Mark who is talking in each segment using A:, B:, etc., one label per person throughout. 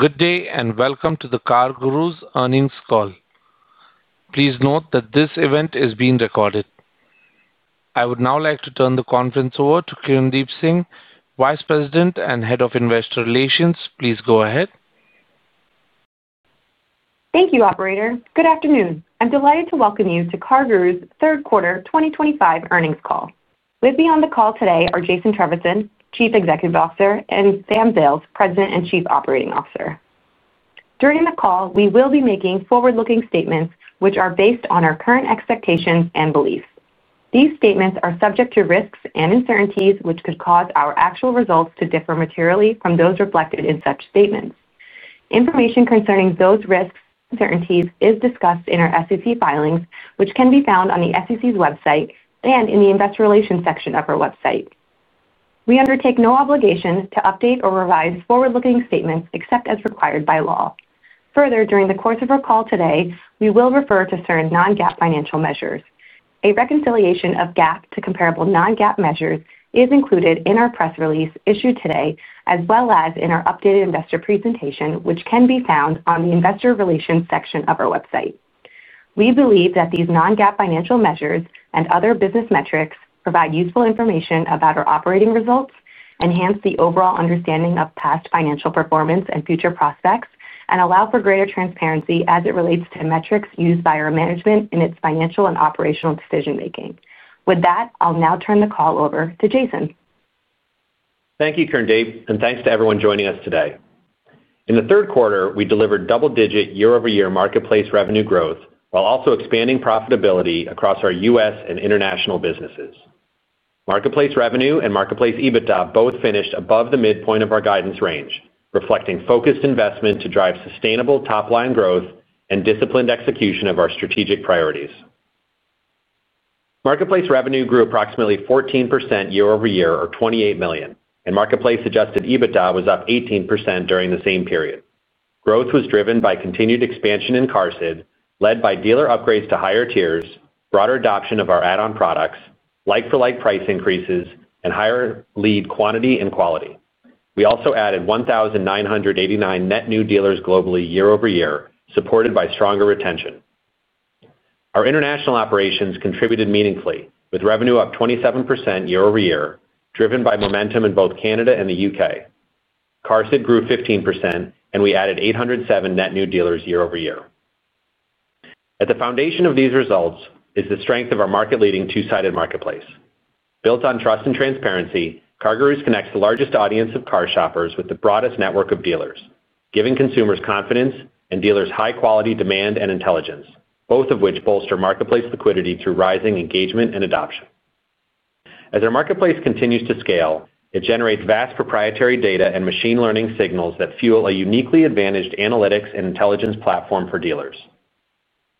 A: Good day and welcome to the CarGurus earnings call. Please note that this event is being recorded. I would now like to turn the conference over to Kirndeep Singh, Vice President and Head of Investor Relations. Please go ahead.
B: Thank you, Operator. Good afternoon. I'm delighted to welcome you to CarGurus' third quarter 2025 earnings call. With me on the call today are Jason Trevisan, Chief Executive Officer, and Sam Zales, President and Chief Operating Officer. During the call, we will be making forward-looking statements which are based on our current expectations and beliefs. These statements are subject to risks and uncertainties which could cause our actual results to differ materially from those reflected in such statements. Information concerning those risks and uncertainties is discussed in our SEC filings, which can be found on the SEC's website and in the Investor Relations section of our website. We undertake no obligation to update or revise forward-looking statements except as required by law. Further, during the course of our call today, we will refer to certain non-GAAP financial measures. A reconciliation of GAAP to comparable non-GAAP measures is included in our press release issued today, as well as in our updated investor presentation, which can be found on the Investor Relations section of our website. We believe that these non-GAAP financial measures and other business metrics provide useful information about our operating results, enhance the overall understanding of past financial performance and future prospects, and allow for greater transparency as it relates to metrics used by our management in its financial and operational decision-making. With that, I'll now turn the call over to Jason.
C: Thank you, Kirndeep, and thanks to everyone joining us today. In the third quarter, we delivered double-digit year-over-year marketplace revenue growth while also expanding profitability across our U.S. and international businesses. Marketplace revenue and marketplace EBITDA both finished above the midpoint of our guidance range, reflecting focused investment to drive sustainable top-line growth and disciplined execution of our strategic priorities. Marketplace revenue grew approximately 14% year-over-year, or $28 million, and marketplace Adjusted EBITDA was up 18% during the same period. Growth was driven by continued expansion in CarSID, led by dealer upgrades to higher tiers, broader adoption of our add-on products, like-for-like price increases, and higher lead quantity and quality. We also added 1,989 net new dealers globally year-over-year, supported by stronger retention. Our international operations contributed meaningfully, with revenue up 27% year-over-year, driven by momentum in both Canada and the UK. CarSID grew 15%, and we added 807 net new dealers year-over-year. At the foundation of these results is the strength of our market-leading two-sided marketplace. Built on trust and transparency, CarGurus connects the largest audience of car shoppers with the broadest network of dealers, giving consumers confidence and dealers high-quality demand and intelligence, both of which bolster marketplace liquidity through rising engagement and adoption. As our marketplace continues to scale, it generates vast proprietary data and machine learning signals that fuel a uniquely advantaged analytics and intelligence platform for dealers.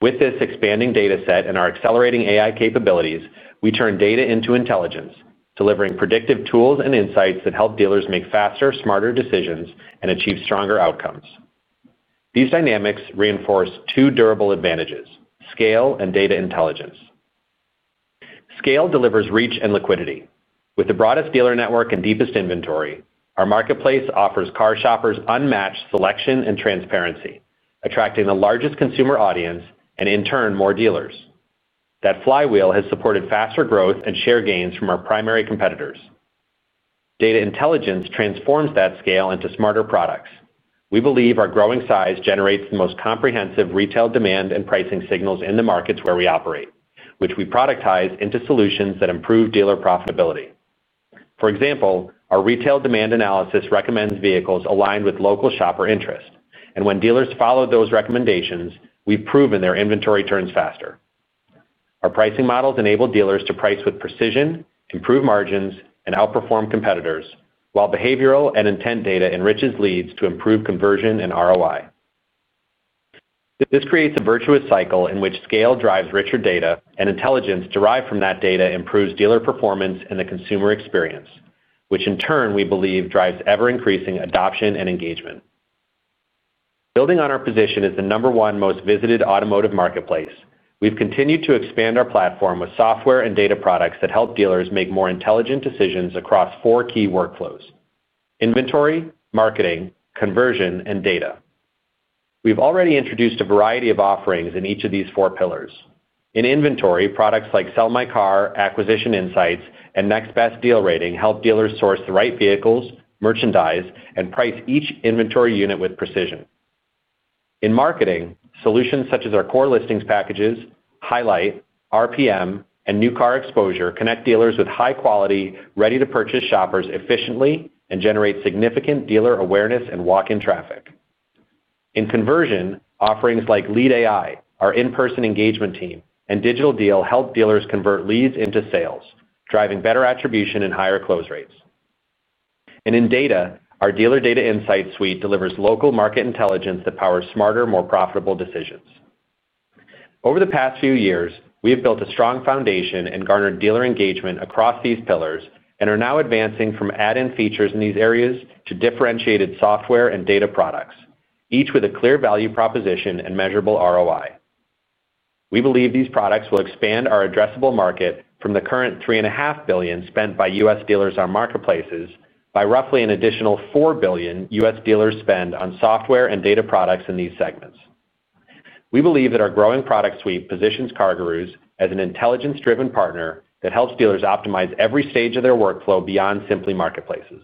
C: With this expanding data set and our accelerating AI capabilities, we turn data into intelligence, delivering predictive tools and insights that help dealers make faster, smarter decisions and achieve stronger outcomes. These dynamics reinforce two durable advantages: scale and data intelligence. Scale delivers reach and liquidity. With the broadest dealer network and deepest inventory, our marketplace offers car shoppers unmatched selection and transparency, attracting the largest consumer audience and, in turn, more dealers. That flywheel has supported faster growth and share gains from our primary competitors. Data intelligence transforms that scale into smarter products. We believe our growing size generates the most comprehensive retail demand and pricing signals in the markets where we operate, which we productize into solutions that improve dealer profitability. For example, our retail demand analysis recommends vehicles aligned with local shopper interests, and when dealers follow those recommendations, we've proven their inventory turns faster. Our pricing models enable dealers to price with precision, improve margins, and outperform competitors, while behavioral and intent data enriches leads to improve conversion and ROI. This creates a virtuous cycle in which scale drives richer data, and intelligence derived from that data improves dealer performance and the consumer experience, which in turn we believe drives ever-increasing adoption and engagement. Building on our position as the number one most visited automotive marketplace, we've continued to expand our platform with software and data products that help dealers make more intelligent decisions across four key workflows: inventory, marketing, conversion, and data. We've already introduced a variety of offerings in each of these four pillars. In inventory, products like Sell My Car, Acquisition Insights, and Next Best Deal Rating help dealers source the right vehicles, merchandise, and price each inventory unit with precision. In marketing, solutions such as our core listings packages, Highlight, RPM, and New Car Exposure connect dealers with high-quality, ready-to-purchase shoppers efficiently and generate significant dealer awareness and walk-in traffic. In conversion, offerings like Lead AI, our in-person engagement team, and Digital Deal help dealers convert leads into sales, driving better attribution and higher close rates. In data, our Dealer Data Insights suite delivers local market intelligence that powers smarter, more profitable decisions. Over the past few years, we have built a strong foundation and garnered dealer engagement across these pillars and are now advancing from add-in features in these areas to differentiated software and data products, each with a clear value proposition and measurable ROI. We believe these products will expand our addressable market from the current $3.5 billion spent by U.S. dealers on marketplaces by roughly an additional $4 billion U.S. dealers spend on software and data products in these segments. We believe that our growing product suite positions CarGurus as an intelligence-driven partner that helps dealers optimize every stage of their workflow beyond simply marketplaces.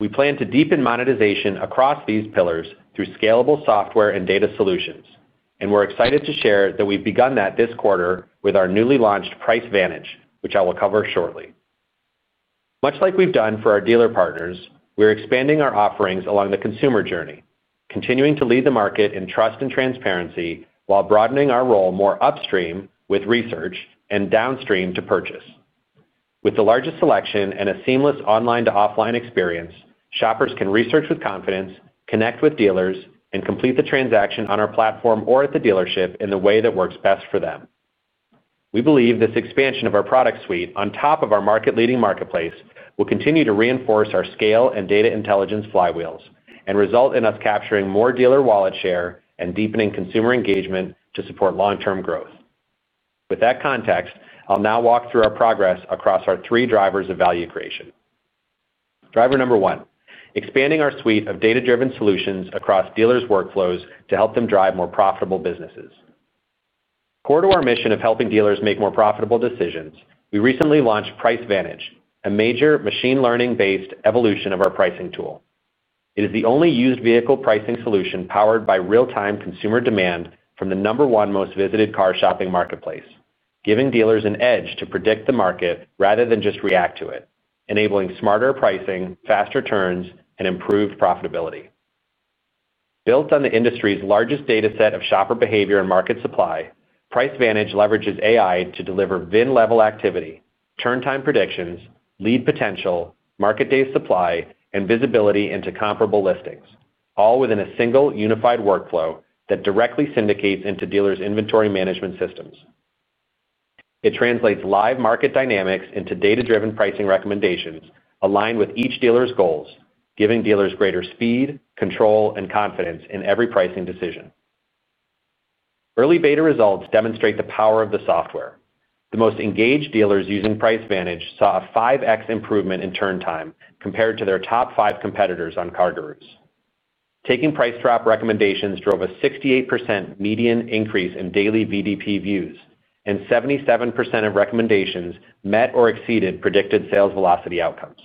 C: We plan to deepen monetization across these pillars through scalable software and data solutions, and we're excited to share that we've begun that this quarter with our newly launched Price Vantage, which I will cover shortly. Much like we've done for our dealer partners, we're expanding our offerings along the consumer journey, continuing to lead the market in trust and transparency while broadening our role more upstream with research and downstream to purchase. With the largest selection and a seamless online-to-offline experience, shoppers can research with confidence, connect with dealers, and complete the transaction on our platform or at the dealership in the way that works best for them. We believe this expansion of our product suite on top of our market-leading marketplace will continue to reinforce our scale and data intelligence flywheels and result in us capturing more dealer wallet share and deepening consumer engagement to support long-term growth. With that context, I'll now walk through our progress across our three drivers of value creation. Driver number one: expanding our suite of data-driven solutions across dealers' workflows to help them drive more profitable businesses. Core to our mission of helping dealers make more profitable decisions, we recently launched Price Vantage, a major machine learning-based evolution of our pricing tool. It is the only used vehicle pricing solution powered by real-time consumer demand from the number one most visited car shopping marketplace, giving dealers an edge to predict the market rather than just react to it, enabling smarter pricing, faster turns, and improved profitability. Built on the industry's largest data set of shopper behavior and market supply, Price Vantage leverages AI to deliver VIN-level activity, turn-time predictions, lead potential, market-day supply, and visibility into comparable listings, all within a single unified workflow that directly syndicates into dealers' inventory management systems. It translates live market dynamics into data-driven pricing recommendations aligned with each dealer's goals, giving dealers greater speed, control, and confidence in every pricing decision. Early beta results demonstrate the power of the software. The most engaged dealers using Price Vantage saw a 5X improvement in turn-time compared to their top five competitors on CarGurus. Taking price drop recommendations drove a 68% median increase in daily VDP views, and 77% of recommendations met or exceeded predicted sales velocity outcomes.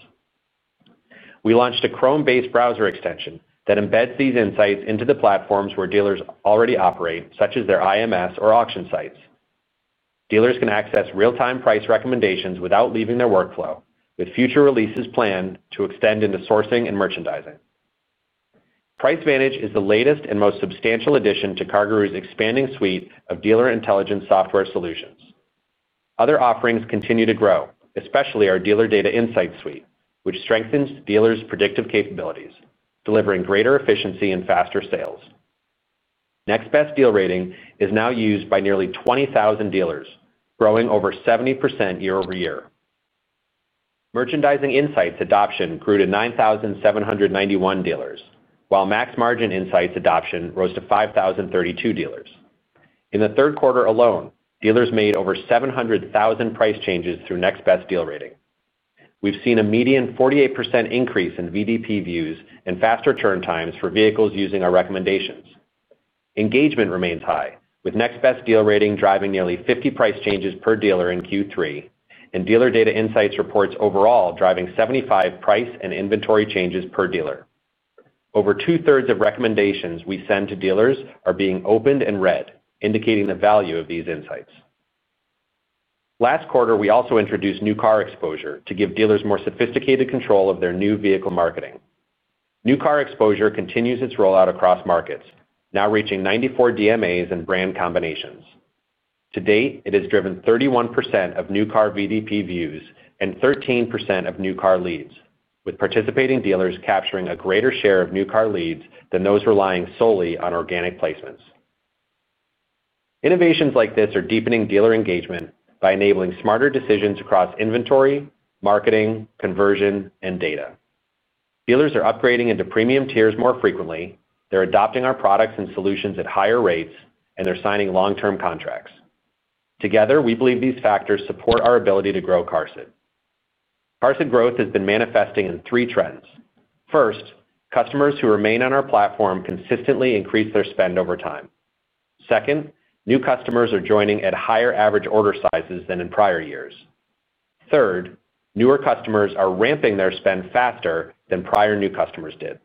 C: We launched a Chrome-based browser extension that embeds these insights into the platforms where dealers already operate, such as their IMS or auction sites. Dealers can access real-time price recommendations without leaving their workflow, with future releases planned to extend into sourcing and merchandising. Price Vantage is the latest and most substantial addition to CarGurus' expanding suite of dealer intelligence software solutions. Other offerings continue to grow, especially our Dealer Data Insights suite, which strengthens dealers' predictive capabilities, delivering greater efficiency and faster sales. Next Best Deal Rating is now used by nearly 20,000 dealers, growing over 70% year-over-year. Merchandising Insights adoption grew to 9,791 dealers, while Max Margin Insights adoption rose to 5,032 dealers. In the third quarter alone, dealers made over 700,000 price changes through Next Best Deal Rating. We've seen a median 48% increase in VDP views and faster turn times for vehicles using our recommendations. Engagement remains high, with Next Best Deal Rating driving nearly 50 price changes per dealer in Q3, and Dealer Data Insights reports overall driving 75 price and inventory changes per dealer. Over two-thirds of recommendations we send to dealers are being opened and read, indicating the value of these insights. Last quarter, we also introduced New Car Exposure to give dealers more sophisticated control of their new vehicle marketing. New Car Exposure continues its rollout across markets, now reaching 94 DMAs and brand combinations. To date, it has driven 31% of new car VDP views and 13% of new car leads, with participating dealers capturing a greater share of new car leads than those relying solely on organic placements. Innovations like this are deepening dealer engagement by enabling smarter decisions across inventory, marketing, conversion, and data. Dealers are upgrading into premium tiers more frequently, they're adopting our products and solutions at higher rates, and they're signing long-term contracts. Together, we believe these factors support our ability to grow CarSID. CarSID growth has been manifesting in three trends. First, customers who remain on our platform consistently increase their spend over time. Second, new customers are joining at higher average order sizes than in prior years. Third, newer customers are ramping their spend faster than prior new customers did.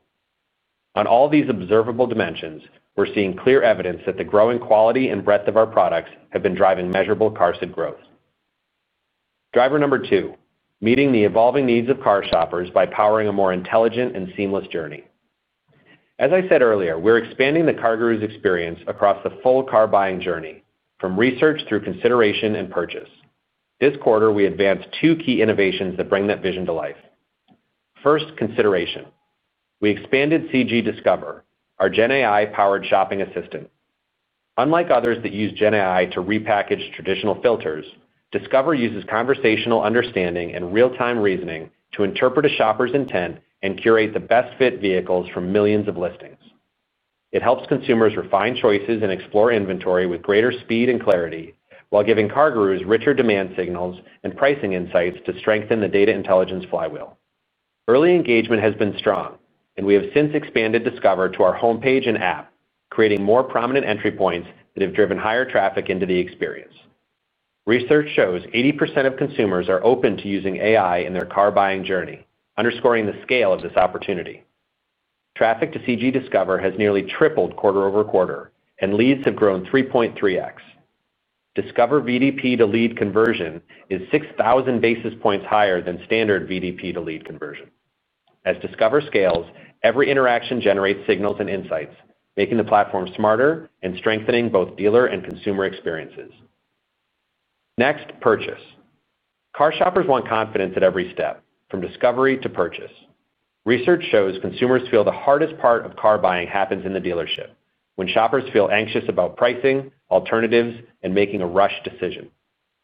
C: On all these observable dimensions, we're seeing clear evidence that the growing quality and breadth of our products have been driving measurable CarSID growth. Driver number two: meeting the evolving needs of car shoppers by powering a more intelligent and seamless journey. As I said earlier, we're expanding the CarGurus experience across the full car buying journey, from research through consideration and purchase. This quarter, we advanced two key innovations that bring that vision to life. First, consideration. We expanded CG Discover, our GenAI-powered shopping assistant. Unlike others that use GenAI to repackage traditional filters, Discover uses conversational understanding and real-time reasoning to interpret a shopper's intent and curate the best-fit vehicles from millions of listings. It helps consumers refine choices and explore inventory with greater speed and clarity, while giving CarGurus richer demand signals and pricing insights to strengthen the data intelligence flywheel. Early engagement has been strong, and we have since expanded Discover to our homepage and app, creating more prominent entry points that have driven higher traffic into the experience. Research shows 80% of consumers are open to using AI in their car buying journey, underscoring the scale of this opportunity. Traffic to CG Discover has nearly tripled quarte-over-quarter, and leads have grown 3.3X. Discover VDP-to-Lead conversion is 6,000 basis points higher than standard VDP-to-Lead conversion. As Discover scales, every interaction generates signals and insights, making the platform smarter and strengthening both dealer and consumer experiences. Next, purchase. Car shoppers want confidence at every step, from discovery to purchase. Research shows consumers feel the hardest part of car buying happens in the dealership, when shoppers feel anxious about pricing, alternatives, and making a rushed decision.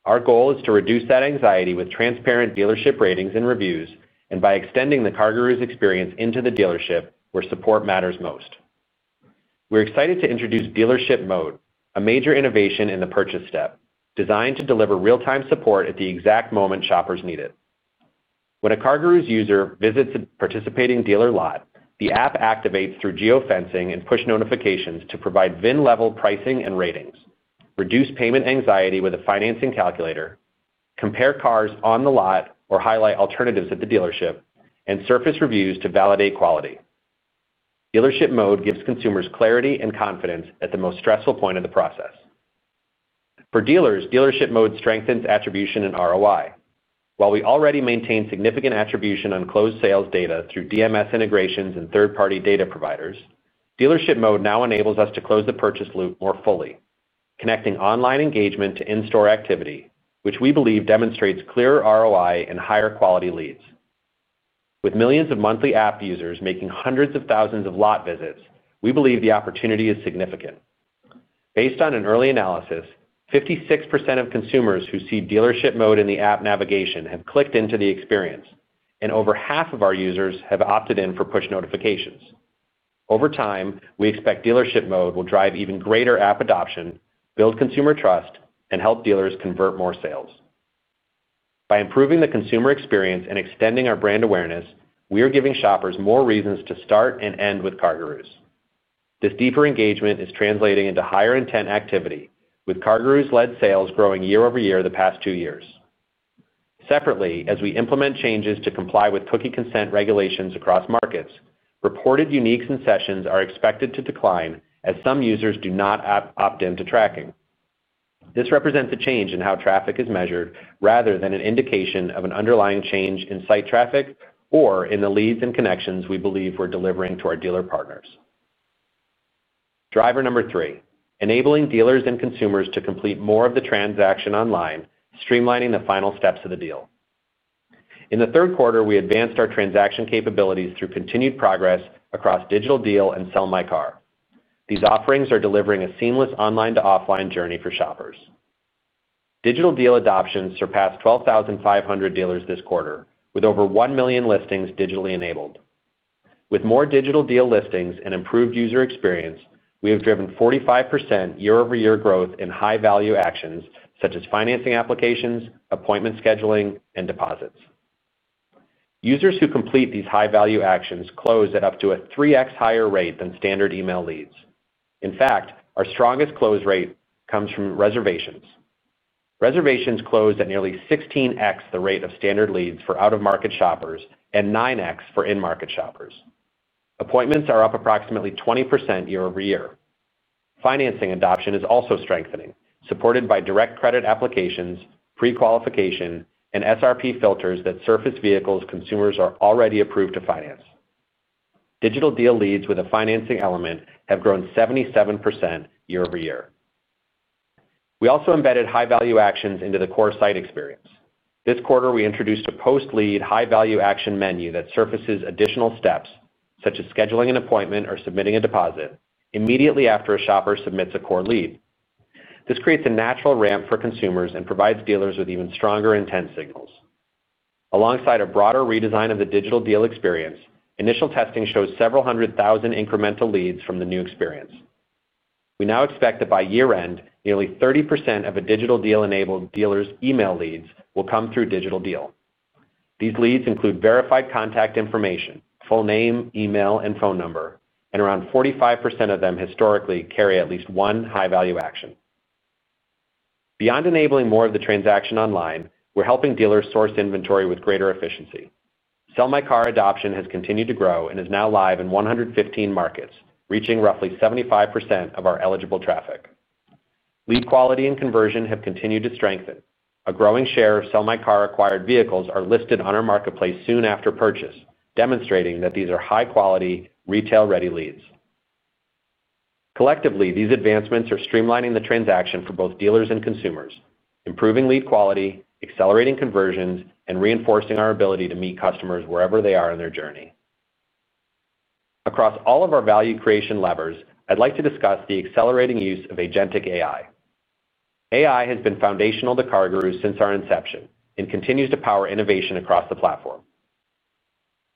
C: Our goal is to reduce that anxiety with transparent dealership ratings and reviews, and by extending the CarGurus experience into the dealership where support matters most. We're excited to introduce Dealership Mode, a major innovation in the purchase step, designed to deliver real-time support at the exact moment shoppers need it. When a CarGurus user visits a participating dealer lot, the app activates through geofencing and push notifications to provide VIN-level pricing and ratings, reduce payment anxiety with a financing calculator, compare cars on the lot or highlight alternatives at the dealership, and surface reviews to validate quality. Dealership Mode gives consumers clarity and confidence at the most stressful point of the process. For dealers, Dealership Mode strengthens attribution and ROI. While we already maintain significant attribution on closed sales data through DMS integrations and third-party data providers, Dealership Mode now enables us to close the purchase loop more fully, connecting online engagement to in-store activity, which we believe demonstrates clearer ROI and higher quality leads. With millions of monthly app users making hundreds of thousands of lot visits, we believe the opportunity is significant. Based on an early analysis, 56% of consumers who see Dealership Mode in the app navigation have clicked into the experience, and over half of our users have opted in for push notifications. Over time, we expect Dealership Mode will drive even greater app adoption, build consumer trust, and help dealers convert more sales. By improving the consumer experience and extending our brand awareness, we are giving shoppers more reasons to start and end with CarGurus. This deeper engagement is translating into higher intent activity, with CarGurus-led sales growing year-over-year the past two years. Separately, as we implement changes to comply with cookie consent regulations across markets, reported uniques and sessions are expected to decline as some users do not opt into tracking. This represents a change in how traffic is measured rather than an indication of an underlying change in site traffic or in the leads and connections we believe we're delivering to our dealer partners. Driver number three: enabling dealers and consumers to complete more of the transaction online, streamlining the final steps of the deal. In the third quarter, we advanced our transaction capabilities through continued progress across Digital Deal and Sell My Car. These offerings are delivering a seamless online-to-offline journey for shoppers. Digital Deal adoption surpassed 12,500 dealers this quarter, with over 1 million listings digitally enabled. With more Digital Deal listings and improved user experience, we have driven 45% year-over-year growth in high-value actions such as financing applications, appointment scheduling, and deposits. Users who complete these high-value actions close at up to a 3X higher rate than standard email leads. In fact, our strongest close rate comes from reservations. Reservations close at nearly 16X the rate of standard leads for out-of-market shoppers and 9X for in-market shoppers. Appointments are up approximately 20% year-over-year. Financing adoption is also strengthening, supported by direct credit applications, pre-qualification, and SRP filters that surface vehicles consumers are already approved to finance. Digital Deal leads with a financing element have grown 77% year-over-year. We also embedded high-value actions into the core site experience. This quarter, we introduced a post-lead high-value action menu that surfaces additional steps, such as scheduling an appointment or submitting a deposit, immediately after a shopper submits a core lead. This creates a natural ramp for consumers and provides dealers with even stronger intent signals. Alongside a broader redesign of the Digital Deal experience, initial testing shows several hundred thousand incremental leads from the new experience. We now expect that by year-end, nearly 30% of a Digital Deal-enabled dealer's email leads will come through Digital Deal. These leads include verified contact information: full name, email, and phone number, and around 45% of them historically carry at least one high-value action. Beyond enabling more of the transaction online, we're helping dealers source inventory with greater efficiency. Sell My Car adoption has continued to grow and is now live in 115 markets, reaching roughly 75% of our eligible traffic. Lead quality and conversion have continued to strengthen. A growing share of Sell My Car acquired vehicles are listed on our marketplace soon after purchase, demonstrating that these are high-quality, retail-ready leads. Collectively, these advancements are streamlining the transaction for both dealers and consumers, improving lead quality, accelerating conversions, and reinforcing our ability to meet customers wherever they are in their journey. Across all of our value creation levers, I'd like to discuss the accelerating use of Agentic AI. AI has been foundational to CarGurus since our inception and continues to power innovation across the platform.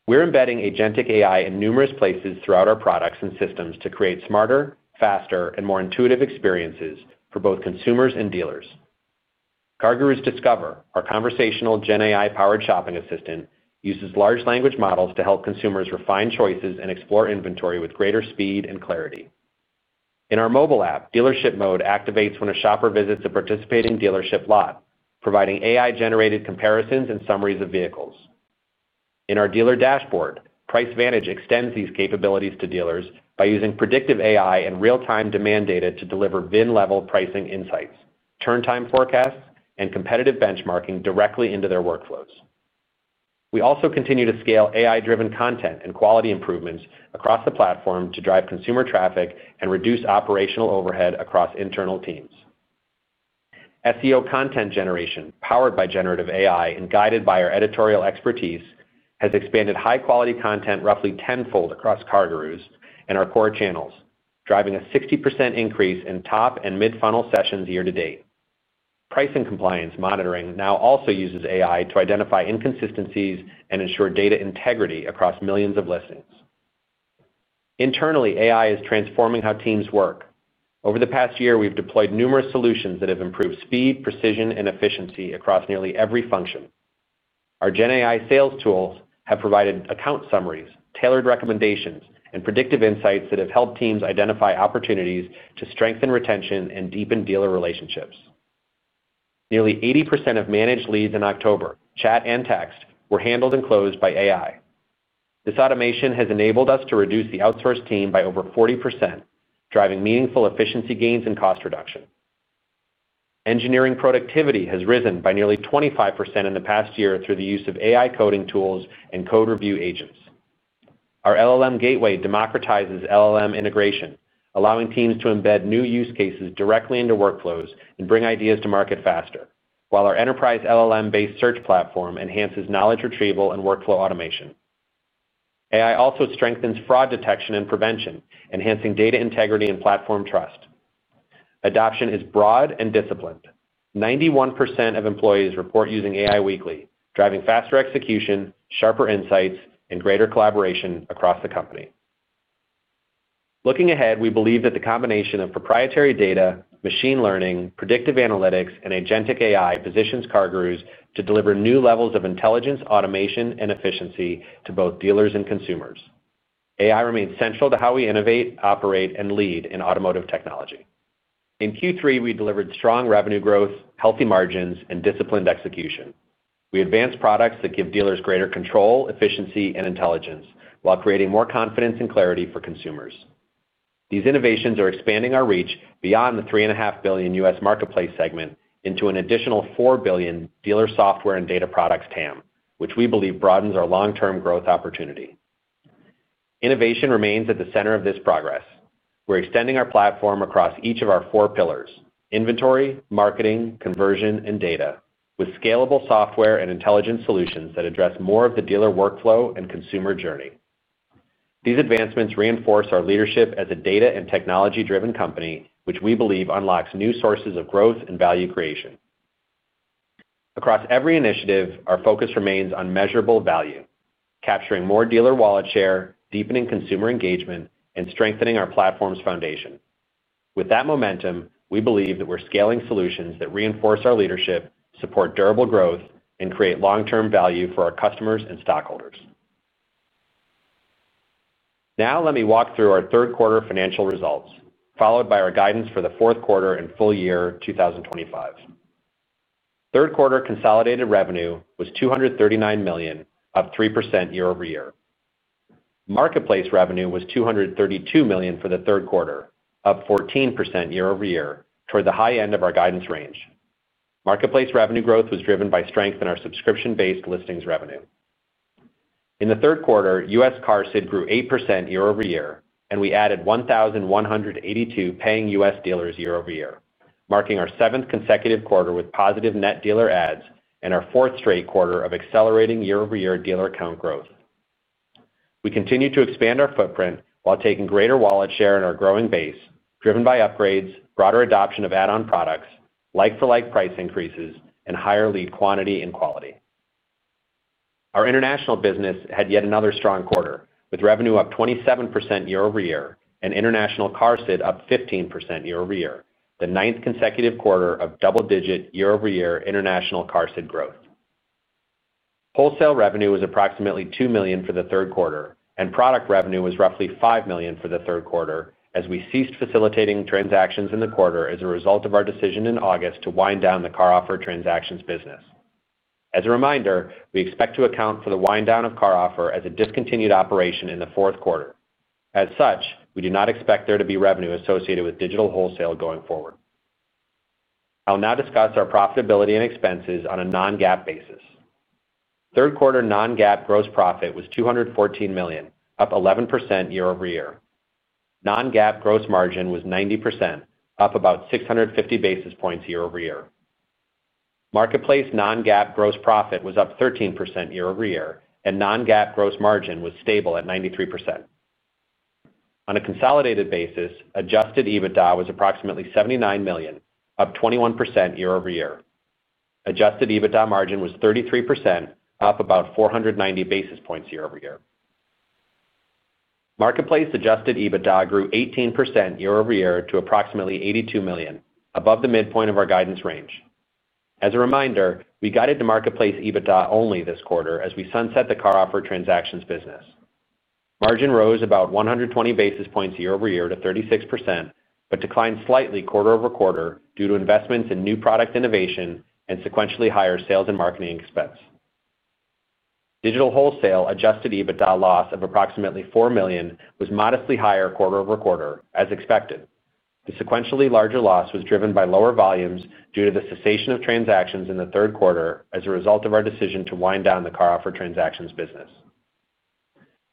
C: We're embedding Agentic AI in numerous places throughout our products and systems to create smarter, faster, and more intuitive experiences for both consumers and dealers. CarGurus Discover, our conversational GenAI-powered shopping assistant, uses large language models to help consumers refine choices and explore inventory with greater speed and clarity. In our mobile app, Dealership Mode activates when a shopper visits a participating dealership lot, providing AI-generated comparisons and summaries of vehicles. In our dealer dashboard, Price Vantage extends these capabilities to dealers by using predictive AI and real-time demand data to deliver VIN-level pricing insights, turn-time forecasts, and competitive benchmarking directly into their workflows. We also continue to scale AI-driven content and quality improvements across the platform to drive consumer traffic and reduce operational overhead across internal teams. SEO content generation, powered by generative AI and guided by our editorial expertise, has expanded high-quality content roughly tenfold across CarGurus and our core channels, driving a 60% increase in top and mid-funnel sessions year to date. Pricing compliance monitoring now also uses AI to identify inconsistencies and ensure data integrity across millions of listings. Internally, AI is transforming how teams work. Over the past year, we've deployed numerous solutions that have improved speed, precision, and efficiency across nearly every function. Our GenAI sales tools have provided account summaries, tailored recommendations, and predictive insights that have helped teams identify opportunities to strengthen retention and deepen dealer relationships. Nearly 80% of managed leads in October, chat and text, were handled and closed by AI. This automation has enabled us to reduce the outsourced team by over 40%, driving meaningful efficiency gains and cost reduction. Engineering productivity has risen by nearly 25% in the past year through the use of AI coding tools and code review agents. Our LLM Gateway democratizes LLM integration, allowing teams to embed new use cases directly into workflows and bring ideas to market faster, while our enterprise LLM-based search platform enhances knowledge retrieval and workflow automation. AI also strengthens fraud detection and prevention, enhancing data integrity and platform trust. Adoption is broad and disciplined. 91% of employees report using AI weekly, driving faster execution, sharper insights, and greater collaboration across the company. Looking ahead, we believe that the combination of proprietary data, machine learning, predictive analytics, and AgenticAI positions CarGurus to deliver new levels of intelligence, automation, and efficiency to both dealers and consumers. AI remains central to how we innovate, operate, and lead in automotive technology. In Q3, we delivered strong revenue growth, healthy margins, and disciplined execution. We advanced products that give dealers greater control, efficiency, and intelligence while creating more confidence and clarity for consumers. These innovations are expanding our reach beyond the $3.5 billion U.S. marketplace segment into an additional $4 billion dealer software and data products TAM, which we believe broadens our long-term growth opportunity. Innovation remains at the center of this progress. We're extending our platform across each of our four pillars: inventory, marketing, conversion, and data, with scalable software and intelligence solutions that address more of the dealer workflow and consumer journey. These advancements reinforce our leadership as a data and technology-driven company, which we believe unlocks new sources of growth and value creation. Across every initiative, our focus remains on measurable value: capturing more dealer wallet share, deepening consumer engagement, and strengthening our platform's foundation. With that momentum, we believe that we're scaling solutions that reinforce our leadership, support durable growth, and create long-term value for our customers and stockholders. Now, let me walk through our third-quarter financial results, followed by our guidance for the fourth quarter and full year 2025. Third-quarter consolidated revenue was $239 million, up 3% year-over-year. Marketplace revenue was $232 million for the third quarter, up 14% year-over-year, toward the high end of our guidance range. Marketplace revenue growth was driven by strength in our subscription-based listings revenue. In the third quarter, U.S. CarSID grew 8% year-over-year, and we added 1,182 paying U.S. dealers year-over-year, marking our seventh consecutive quarter with positive net dealer adds and our fourth straight quarter of accelerating year-over-year dealer account growth. We continue to expand our footprint while taking greater wallet share in our growing base, driven by upgrades, broader adoption of add-on products, like-for-like price increases, and higher lead quantity and quality. Our international business had yet another strong quarter, with revenue up 27% year-over-year and international CarSID up 15% year-over-year, the ninth consecutive quarter of double-digit year-over-year international CarSID growth. Wholesale revenue was approximately $2 million for the third quarter, and product revenue was roughly $5 million for the third quarter, as we ceased facilitating transactions in the quarter as a result of our decision in August to wind down the CarOffer transactions business. As a reminder, we expect to account for the wind down of CarOffer as a discontinued operation in the fourth quarter. As such, we do not expect there to be revenue associated with digital wholesale going forward. I'll now discuss our profitability and expenses on a non-GAAP basis. Third-quarter non-GAAP gross profit was $214 million, up 11% year-over-year. Non-GAAP gross margin was 90%, up about 650 basis points year-over-year. Marketplace non-GAAP gross profit was up 13% year-over-year, and non-GAAP gross margin was stable at 93%. On a consolidated basis, Adjusted EBITDA was approximately $79 million, up 21% year-over-year. Adjusted EBITDA margin was 33%, up about 490 basis points year-over-year. Marketplace Adjusted EBITDA grew 18% year-over-year to approximately $82 million, above the midpoint of our guidance range. As a reminder, we guided to marketplace EBITDA only this quarter as we sunset the CarOffer transactions business. Margin rose about 120 basis points year-over-year to 36%, but declined slightly quarter-over-quarter due to investments in new product innovation and sequentially higher sales and marketing expense. Digital wholesale Adjusted EBITDA loss of approximately $4 million was modestly higher quarter-over-quarter, as expected. The sequentially larger loss was driven by lower volumes due to the cessation of transactions in the third quarter as a result of our decision to wind down the CarOffer transactions business.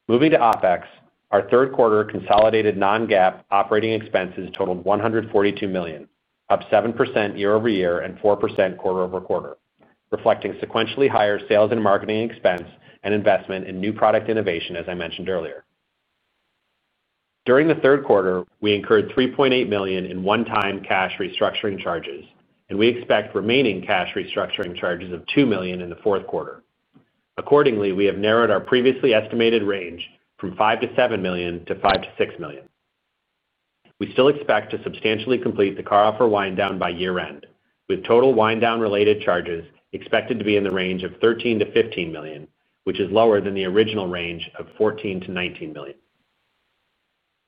C: Moving to OpEx, our third-quarter consolidated non-GAAP operating expenses totaled $142 million, up 7% year-over-year and 4% quarter-over-quarter, reflecting sequentially higher sales and marketing expense and investment in new product innovation, as I mentioned earlier. During the third quarter, we incurred $3.8 million in one-time cash restructuring charges, and we expect remaining cash restructuring charges of $2 million in the fourth quarter. Accordingly, we have narrowed our previously estimated range from $5 million-$7 million to $5 million-$6 million. We still expect to substantially complete the CarOffer wind down by year-end, with total wind down-related charges expected to be in the range of $13 million-$15 million, which is lower than the original range of $14 million-$19 million.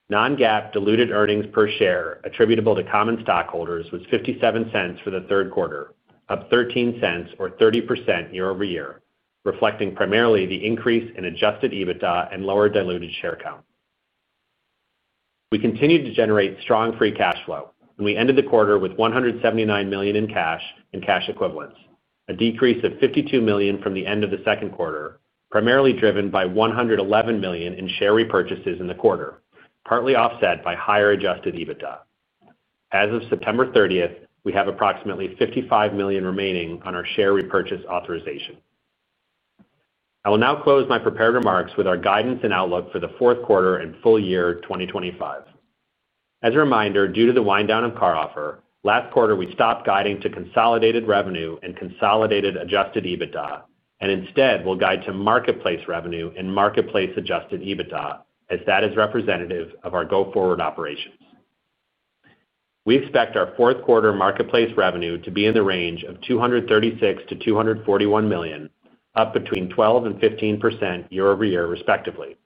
C: Non-GAAP diluted earnings per share attributable to common stockholders was $0.57 for the third quarter, up $0.13 or 30% year-over-year, reflecting primarily the increase in Adjusted EBITDA and lower diluted share count. We continue to generate strong free cash flow, and we ended the quarter with $179 million in cash and cash equivalents, a decrease of $52 million from the end of the second quarter, primarily driven by $111 million in share repurchases in the quarter, partly offset by higher Adjusted EBITDA. As of September 30th, we have approximately $55 million remaining on our share repurchase authorization. I will now close my prepared remarks with our guidance and outlook for the fourth quarter and full year 2025. As a reminder, due to the wind down of CarOffer, last quarter we stopped guiding to consolidated revenue and consolidated Adjusted EBITDA, and instead we'll guide to marketplace revenue and marketplace Adjusted EBITDA, as that is representative of our go-forward operations. We expect our fourth quarter marketplace revenue to be in the range of $236 million-$241 million, up between 12% and 15% year-over-year, respectively.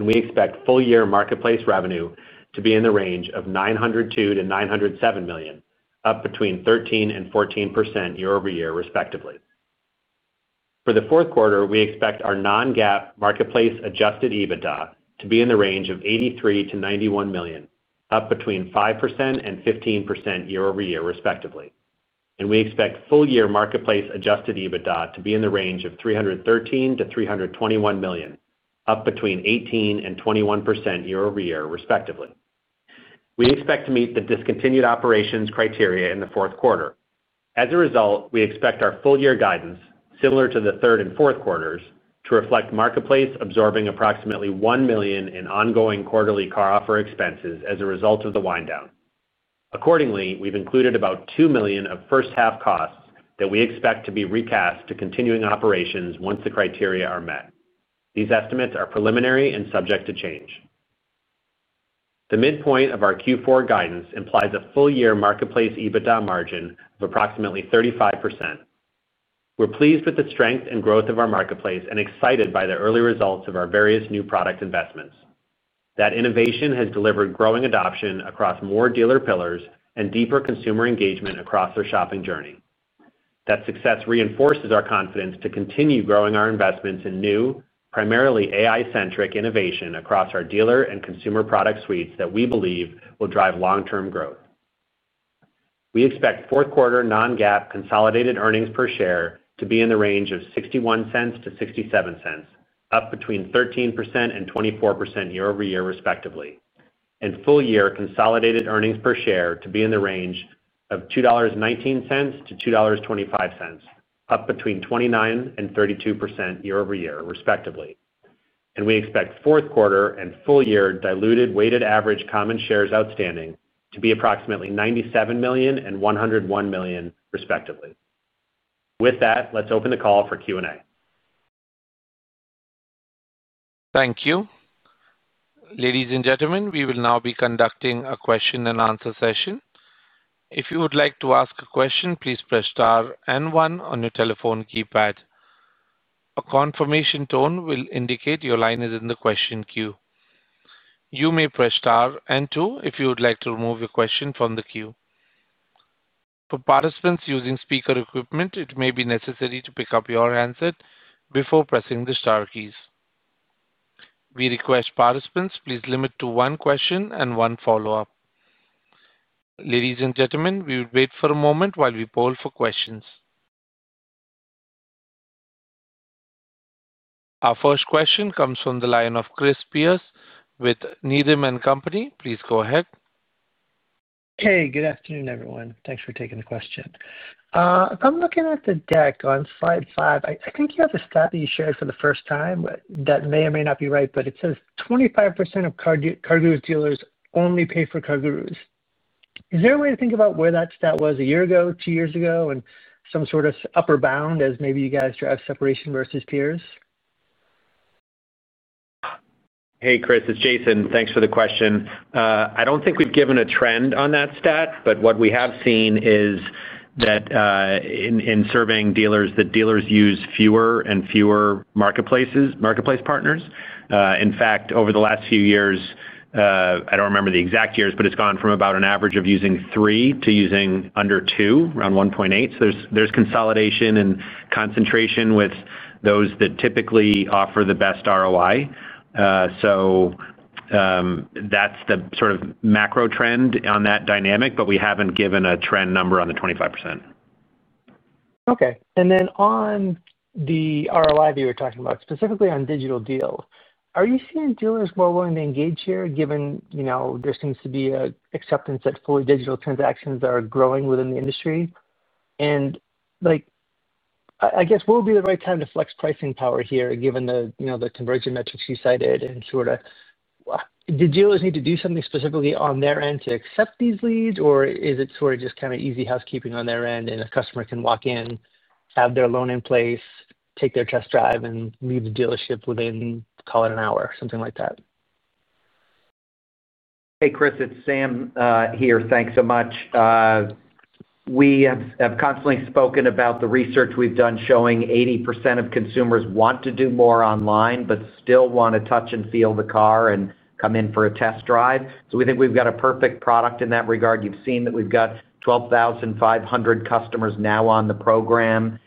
C: We expect full year marketplace revenue to be in the range of $902 million-$907 million, up between 13% and 14% year-over-year, respectively. For the fourth quarter, we expect our non-GAAP marketplace Adjusted EBITDA to be in the range of $83 million-$91 million, up between 5% and 15% year-over-year, respectively. We expect full year marketplace Adjusted EBITDA to be in the range of $313 million-$321 million, up between 18%-21% year-over-year, respectively. We expect to meet the discontinued operations criteria in the fourth quarter. As a result, we expect our full year guidance, similar to the third and fourth quarters, to reflect marketplace absorbing approximately $1 million in ongoing quarterly CarOffer expenses as a result of the wind down. Accordingly, we have included about $2 million of first-half costs that we expect to be recast to continuing operations once the criteria are met. These estimates are preliminary and subject to change. The midpoint of our Q4 guidance implies a full year marketplace EBITDA margin of approximately 35%. We are pleased with the strength and growth of our marketplace and excited by the early results of our various new product investments. That innovation has delivered growing adoption across more dealer pillars and deeper consumer engagement across our shopping journey. That success reinforces our confidence to continue growing our investments in new, primarily AI-centric innovation across our dealer and consumer product suites that we believe will drive long-term growth. We expect fourth quarter non-GAAP consolidated earnings per share to be in the range of $0.61-$0.67, up between 13% and 24% year-over-year, respectively. We expect full year consolidated earnings per share to be in the range of $2.19-$2.25, up between 29% and 32% year-over-year, respectively. We expect fourth quarter and full year diluted weighted average common shares outstanding to be approximately 97 million and 101 million, respectively. With that, let's open the call for Q&A.
A: Thank you. Ladies and gentlemen, we will now be conducting a question and answer session. If you would like to ask a question, please press star one on your telephone keypad. A confirmation tone will indicate your line is in the question queue. You may press star two if you would like to remove your question from the queue. For participants using speaker equipment, it may be necessary to pick up your answer before pressing the star keys. We request participants please limit to one question and one follow-up. Ladies and gentlemen, we will wait for a moment while we poll for questions. Our first question comes from the line of Chris Pierce with Needham & Company. Please go ahead.
D: Hey, good afternoon, everyone. Thanks for taking the question. If I'm looking at the deck on slide five, I think you have a stat that you shared for the first time that may or may not be right, but it says 25% of CarGurus dealers only pay for CarGurus. Is there a way to think about where that stat was a year ago, two years ago, and some sort of upper bound as maybe you guys drive separation versus peers?
C: Hey, Chris, it's Jason. Thanks for the question. I don't think we've given a trend on that stat, but what we have seen is that in serving dealers, the dealers use fewer and fewer marketplace partners. In fact, over the last few years, I don't remember the exact years, but it's gone from about an average of using three to using under two, around 1.8. There is consolidation and concentration with those that typically offer the best ROI. That is the sort of macro trend on that dynamic, but we haven't given a trend number on the 25%.
D: Okay. On the ROI that you were talking about, specifically on Digital Deal, are you seeing dealers more willing to engage here given there seems to be an acceptance that fully digital transactions are growing within the industry? I guess, what would be the right time to flex pricing power here given the conversion metrics you cited and sort of, do dealers need to do something specifically on their end to accept these leads, or is it just kind of easy housekeeping on their end and a customer can walk in, have their loan in place, take their test drive, and leave the dealership within, call it an hour, something like that?
E: Hey, Chris, it's Sam here. Thanks so much. We have constantly spoken about the research we've done showing 80% of consumers want to do more online but still want to touch and feel the car and come in for a test drive. We think we've got a perfect product in that regard. You've seen that we've got 12,500 customers now on the program.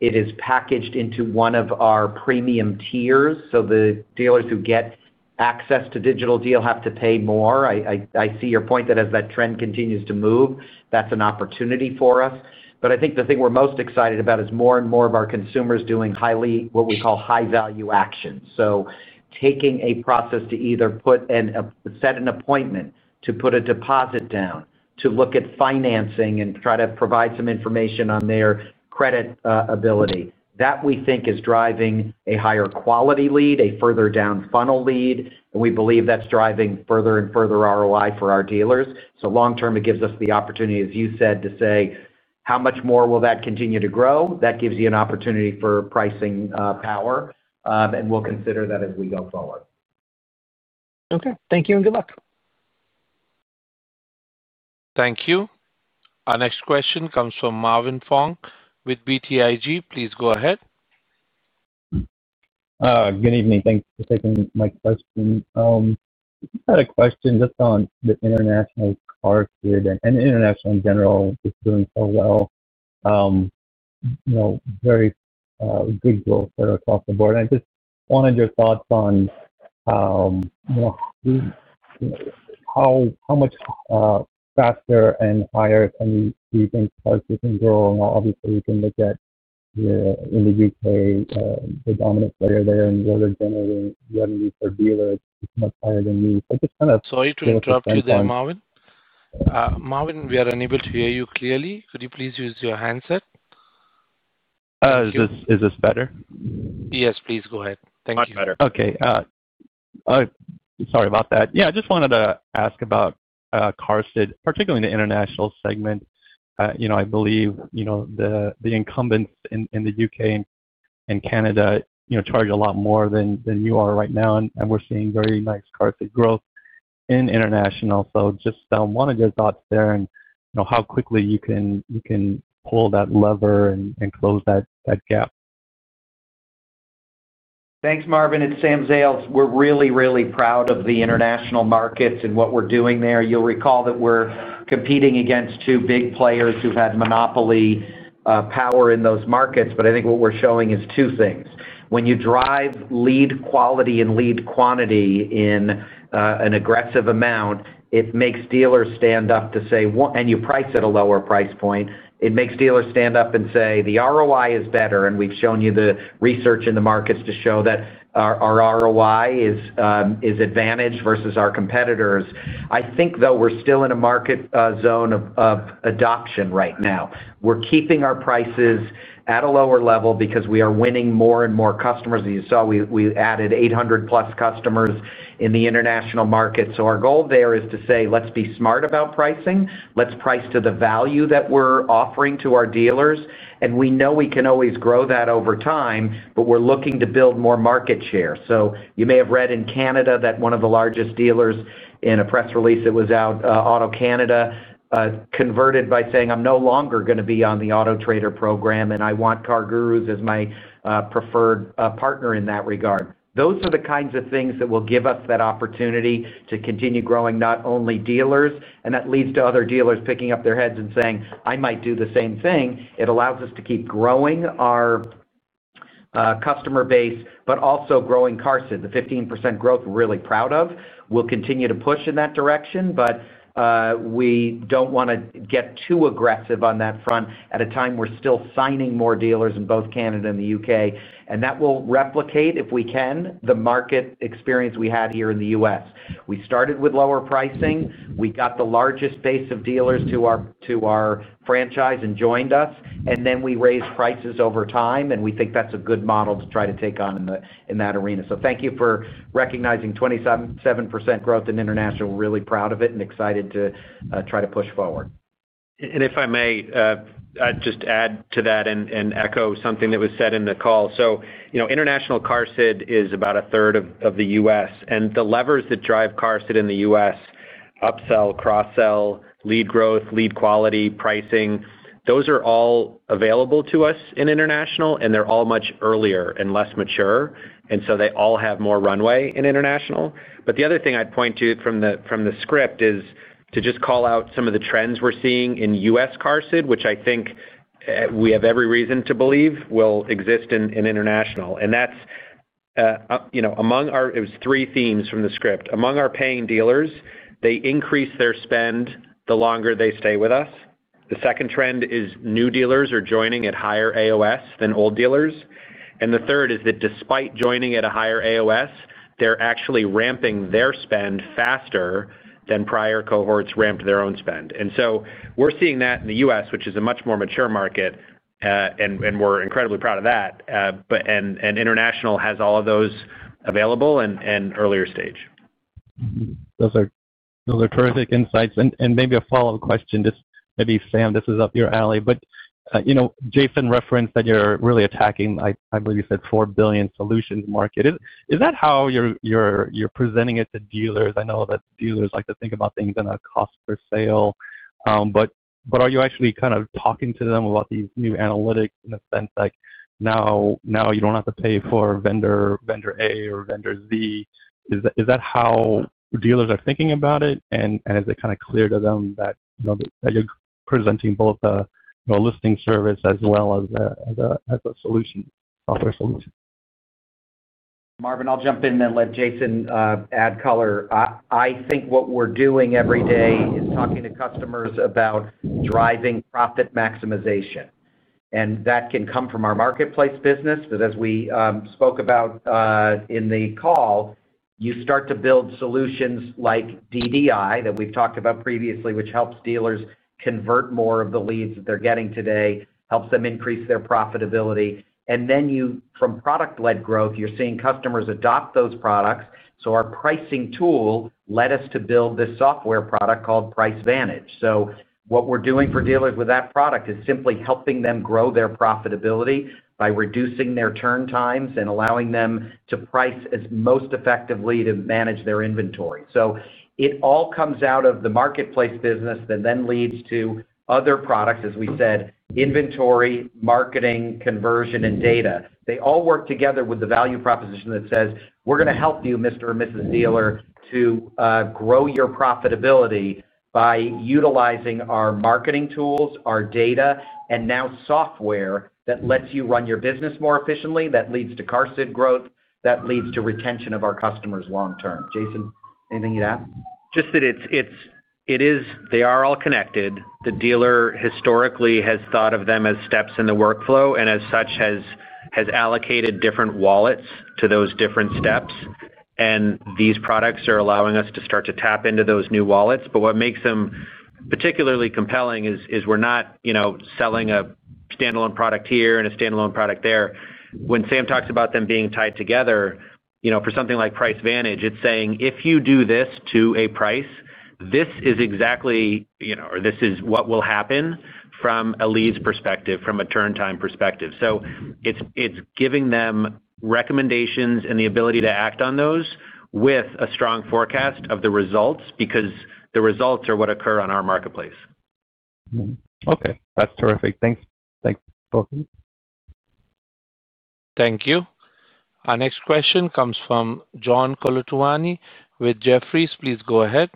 E: It is packaged into one of our premium tiers, so the dealers who get access to Digital Deal have to pay more. I see your point that as that trend continues to move, that's an opportunity for us. I think the thing we're most excited about is more and more of our consumers doing what we call high-value actions. Taking a process to either set an appointment, to put a deposit down, to look at financing, and try to provide some information on their credit ability, that we think is driving a higher quality lead, a further down funnel lead. We believe that's driving further and further ROI for our dealers. Long-term, it gives us the opportunity, as you said, to say, "How much more will that continue to grow?" That gives you an opportunity for pricing power, and we'll consider that as we go forward.
A: Okay. Thank you and good luck. Thank you. Our next question comes from Marvin Fong with BTIG. Please go ahead.
F: Good evening. Thanks for taking my question. I had a question just on the international car field. International in general is doing so well. Very good growth across the board. I just wanted your thoughts on how much faster and higher, can you think CarGurus can grow? Obviously, we can look at, in the UK, the dominant player there in the world of generating revenue for dealers is much higher than you. Just kind of—
A: Sorry to interrupt you there, Marvin. Marvin, we are unable to hear you clearly. Could you please use your handset?
F: Is this better?
A: Yes, please go ahead. Thank you.
E: Much better.
F: Okay. Sorry about that. I just wanted to ask about cars that, particularly in the international segment, I believe. The incumbents in the UK and Canada charge a lot more than you are right now. We're seeing very nice CarGurus growth in international. Just wanted your thoughts there and how quickly you can pull that lever and close that gap.
E: Thanks, Marvin. It's Sam Zales. We're really, really proud of the international markets and what we're doing there. You'll recall that we're competing against two big players who've had monopoly power in those markets. I think what we're showing is two things. When you drive lead quality and lead quantity in an aggressive amount, it makes dealers stand up to say, and you price at a lower price point. It makes dealers stand up and say, "The ROI is better." We've shown you the research in the markets to show that our ROI is advantage versus our competitors. I think, though, we're still in a market zone of adoption right now. We're keeping our prices at a lower level because we are winning more and more customers. As you saw, we added 800+ customers in the international market. Our goal there is to say, "Let's be smart about pricing. Let's price to the value that we're offering to our dealers." We know we can always grow that over time, but we're looking to build more market share. You may have read in Canada that one of the largest dealers, in a press release that was out, AutoCanada, converted by saying, "I'm no longer going to be on the Auto Trader program, and I want CarGurus as my preferred partner in that regard." Those are the kinds of things that will give us that opportunity to continue growing not only dealers. That leads to other dealers picking up their heads and saying, "I might do the same thing." It allows us to keep growing our customer base, but also growing cars at the 15% growth we're really proud of. We'll continue to push in that direction. We do not want to get too aggressive on that front at a time we are still signing more dealers in both Canada and the UK. That will replicate, if we can, the market experience we had here in the U.S. We started with lower pricing. We got the largest base of dealers to our franchise and joined us. We raised prices over time, and we think that is a good model to try to take on in that arena. Thank you for recognizing 27% growth in international. We are really proud of it and excited to try to push forward.
C: If I may, just add to that and echo something that was said in the call. International CarSID is about a third of the U.S. The levers that drive CarSID in the U.S.—upsell, cross-sell, lead growth, lead quality, pricing—those are all available to us in international, and they're all much earlier and less mature. They all have more runway in international. The other thing I'd point to from the script is to just call out some of the trends we're seeing in U.S. CarSID, which I think we have every reason to believe will exist in international. That's among our—it was three themes from the script. Among our paying dealers, they increase their spend the longer they stay with us. The second trend is new dealers are joining at higher AOS than old dealers. The third is that despite joining at a higher AOS, they're actually ramping their spend faster than prior cohorts ramped their own spend. We're seeing that in the U.S., which is a much more mature market. We're incredibly proud of that. International has all of those available and earlier stage.
F: Those are terrific insights. Maybe a follow-up question, maybe, Sam, this is up your alley. Jason referenced that you're really attacking, I believe you said, $4 billion solutions market. Is that how you're presenting it to dealers? I know that dealers like to think about things in a cost per sale. Are you actually kind of talking to them about these new analytics in the sense like now you don't have to pay for vendor A or vendor Z? Is that how dealers are thinking about it? Is it kind of clear to them that you're presenting both a listing service as well as a software solution?
E: Marvin, I'll jump in and let Jason add color. I think what we're doing every day is talking to customers about driving profit maximization. That can come from our marketplace business. As we spoke about in the call, you start to build solutions like DDI that we've talked about previously, which helps dealers convert more of the leads that they're getting today, helps them increase their profitability. From product-led growth, you're seeing customers adopt those products. Our pricing tool led us to build this software product called Price Vantage. What we're doing for dealers with that product is simply helping them grow their profitability by reducing their turn times and allowing them to price as most effectively to manage their inventory. It all comes out of the marketplace business that then leads to other products, as we said, inventory, marketing, conversion, and data. They all work together with the value proposition that says, "We're going to help you, Mr. or Mrs. Dealer, to grow your profitability by utilizing our marketing tools, our data, and now software that lets you run your business more efficiently that leads to CarSID growth that leads to retention of our customers long-term." Jason, anything you'd add?
C: Just that. They are all connected. The dealer historically has thought of them as steps in the workflow and as such has allocated different wallets to those different steps. These products are allowing us to start to tap into those new wallets. What makes them particularly compelling is we're not selling a standalone product here and a standalone product there. When Sam talks about them being tied together, for something like Price Vantage, it's saying, "If you do this to a price, this is exactly. Or this is what will happen from a lead's perspective, from a turn time perspective." It is giving them recommendations and the ability to act on those with a strong forecast of the results because the results are what occur on our marketplace.
F: Okay. That is terrific. Thanks for talking.
A: Thank you. Our next question comes from John Colantuoni with Jefferies. Please go ahead.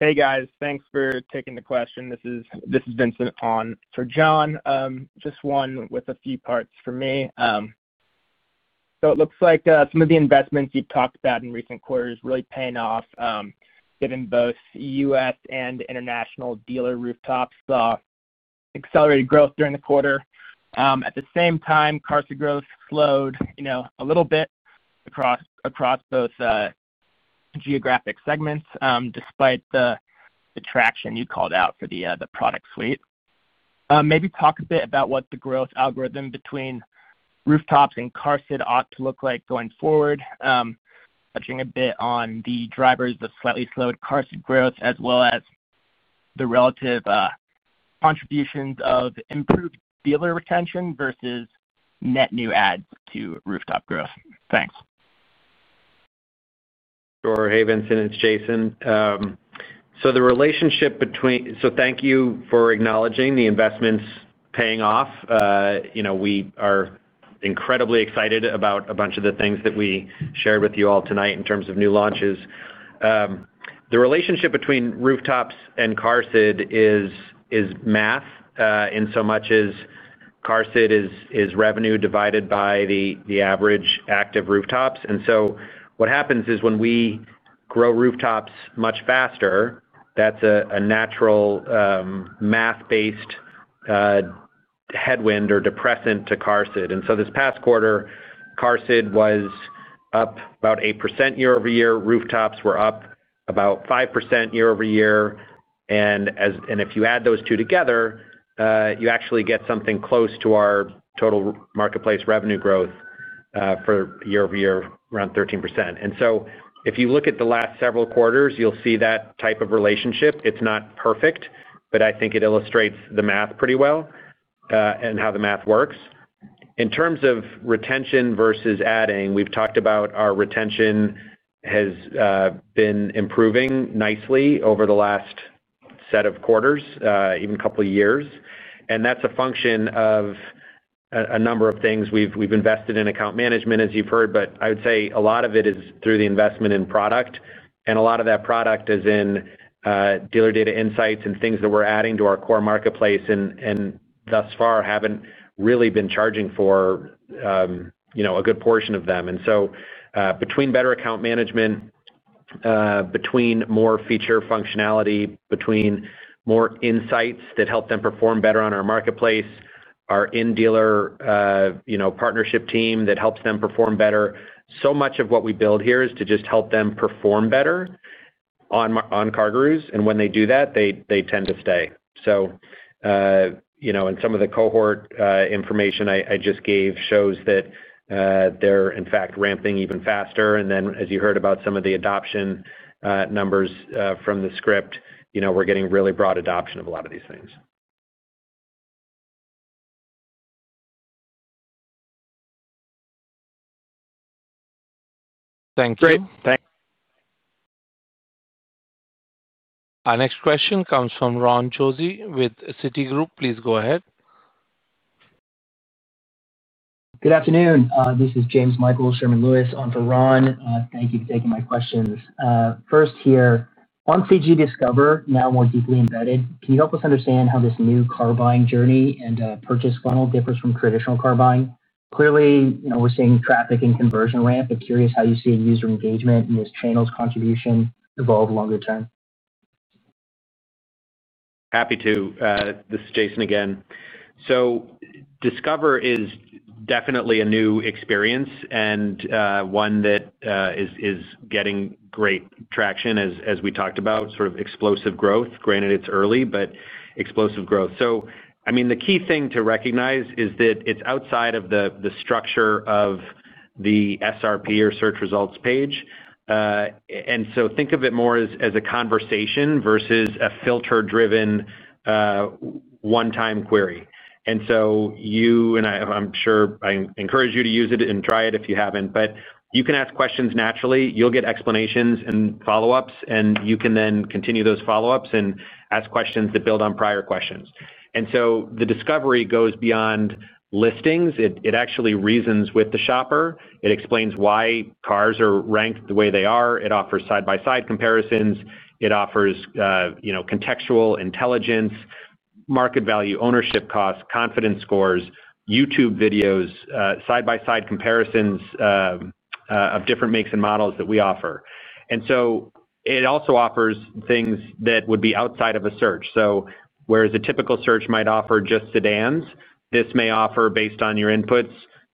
G: Hey, guys. Thanks for taking the question. This is Vincent on for John, just one with a few parts for me. It looks like some of the investments you have talked about in recent quarters are really paying off. Given both U.S. and international dealer rooftops, accelerated growth during the quarter. At the same time, CarSID growth slowed a little bit across both geographic segments despite the traction you called out for the product suite. Maybe talk a bit about what the growth algorithm between. Rooftops and CarSID ought to look like going forward. Touching a bit on the drivers of slightly slowed CarSID growth as well as the relative contributions of improved dealer retention versus net new adds to rooftop growth. Thanks.
C: Sure. Hey, Vincent. It's Jason. The relationship between—so thank you for acknowledging the investments paying off. We are incredibly excited about a bunch of the things that we shared with you all tonight in terms of new launches. The relationship between rooftops and CarSID is math in so much as CarSID is revenue divided by the average active rooftops. What happens is when we grow rooftops much faster, that's a natural math-based headwind or depressant to CarSID. This past quarter, CarSID was up about 8% year-over-year. Rooftops were up about 5% year-over-year. If you add those two together, you actually get something close to our total marketplace revenue growth. For year-over-year, around 13%. If you look at the last several quarters, you'll see that type of relationship. It's not perfect, but I think it illustrates the math pretty well. And how the math works. In terms of retention versus adding, we've talked about our retention has been improving nicely over the last set of quarters, even a couple of years. That's a function of a number of things. We've invested in account management, as you've heard, but I would say a lot of it is through the investment in product. A lot of that product is in Dealer Data Insights and things that we're adding to our core marketplace and thus far haven't really been charging for a good portion of them. Between better account management, more feature functionality, and more insights that help them perform better on our marketplace, our in-dealer partnership team helps them perform better. So much of what we build here is to just help them perform better on CarGurus. When they do that, they tend to stay. Some of the cohort information I just gave shows that they are, in fact, ramping even faster. As you heard about some of the adoption numbers from the script, we are getting really broad adoption of a lot of these things.
G: Thank you. Great, thanks.
A: Our next question comes from Ron Josey with Citi Group. Please go ahead.
H: Good afternoon. This is James Michael Sherman-Lewis on for Ron. Thank you for taking my questions. First here, on CG Discover, now more deeply embedded, can you help us understand how this new car buying journey and purchase funnel differs from traditional car buying? Clearly, we're seeing traffic and conversion ramp, but curious how you see user engagement and this channel's contribution evolve longer term.
C: Happy to. This is Jason again. So Discover is definitely a new experience and one that is getting great traction, as we talked about, sort of explosive growth. Granted, it's early, but explosive growth. I mean, the key thing to recognize is that it's outside of the structure of the SRP or search results page. Think of it more as a conversation versus a filter-driven one-time query. You and I, I'm sure I encourage you to use it and try it if you haven't, but you can ask questions naturally. You'll get explanations and follow-ups, and you can then continue those follow-ups and ask questions that build on prior questions. The Discovery goes beyond listings. It actually reasons with the shopper. It explains why cars are ranked the way they are. It offers side-by-side comparisons. It offers contextual intelligence, market value, ownership costs, confidence scores, YouTube videos, side-by-side comparisons of different makes and models that we offer. It also offers things that would be outside of a search. Whereas a typical search might offer just sedans, this may offer, based on your inputs,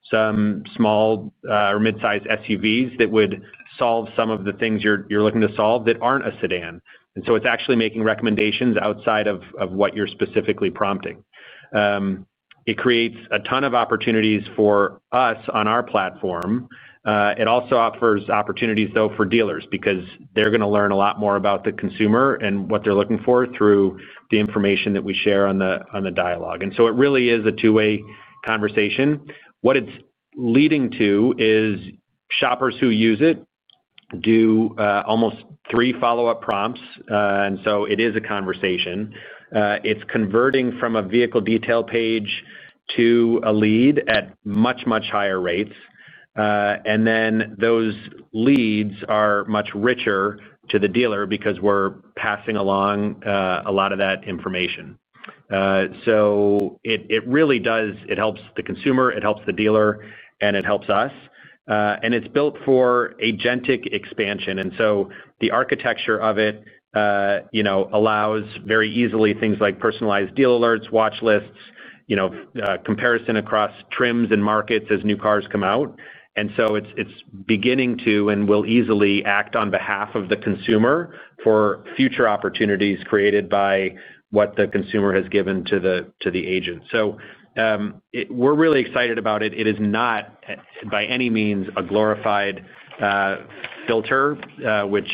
C: some small or mid-size SUVs that would solve some of the things you're looking to solve that aren't a sedan. It's actually making recommendations outside of what you're specifically prompting. It creates a ton of opportunities for us on our platform. It also offers opportunities, though, for dealers because they're going to learn a lot more about the consumer and what they're looking for through the information that we share on the dialogue. It really is a two-way conversation. What it's leading to is shoppers who use it do almost three follow-up prompts. It is a conversation. It's converting from a vehicle detail page to a lead at much, much higher rates. Those leads are much richer to the dealer because we're passing along a lot of that information. It helps the consumer, it helps the dealer, and it helps us. It's built for agentic expansion. The architecture of it allows very easily things like personalized deal alerts, watch lists, comparison across trims and markets as new cars come out. It's beginning to and will easily act on behalf of the consumer for future opportunities created by what the consumer has given to the agent. We're really excited about it. It is not by any means a glorified filter, which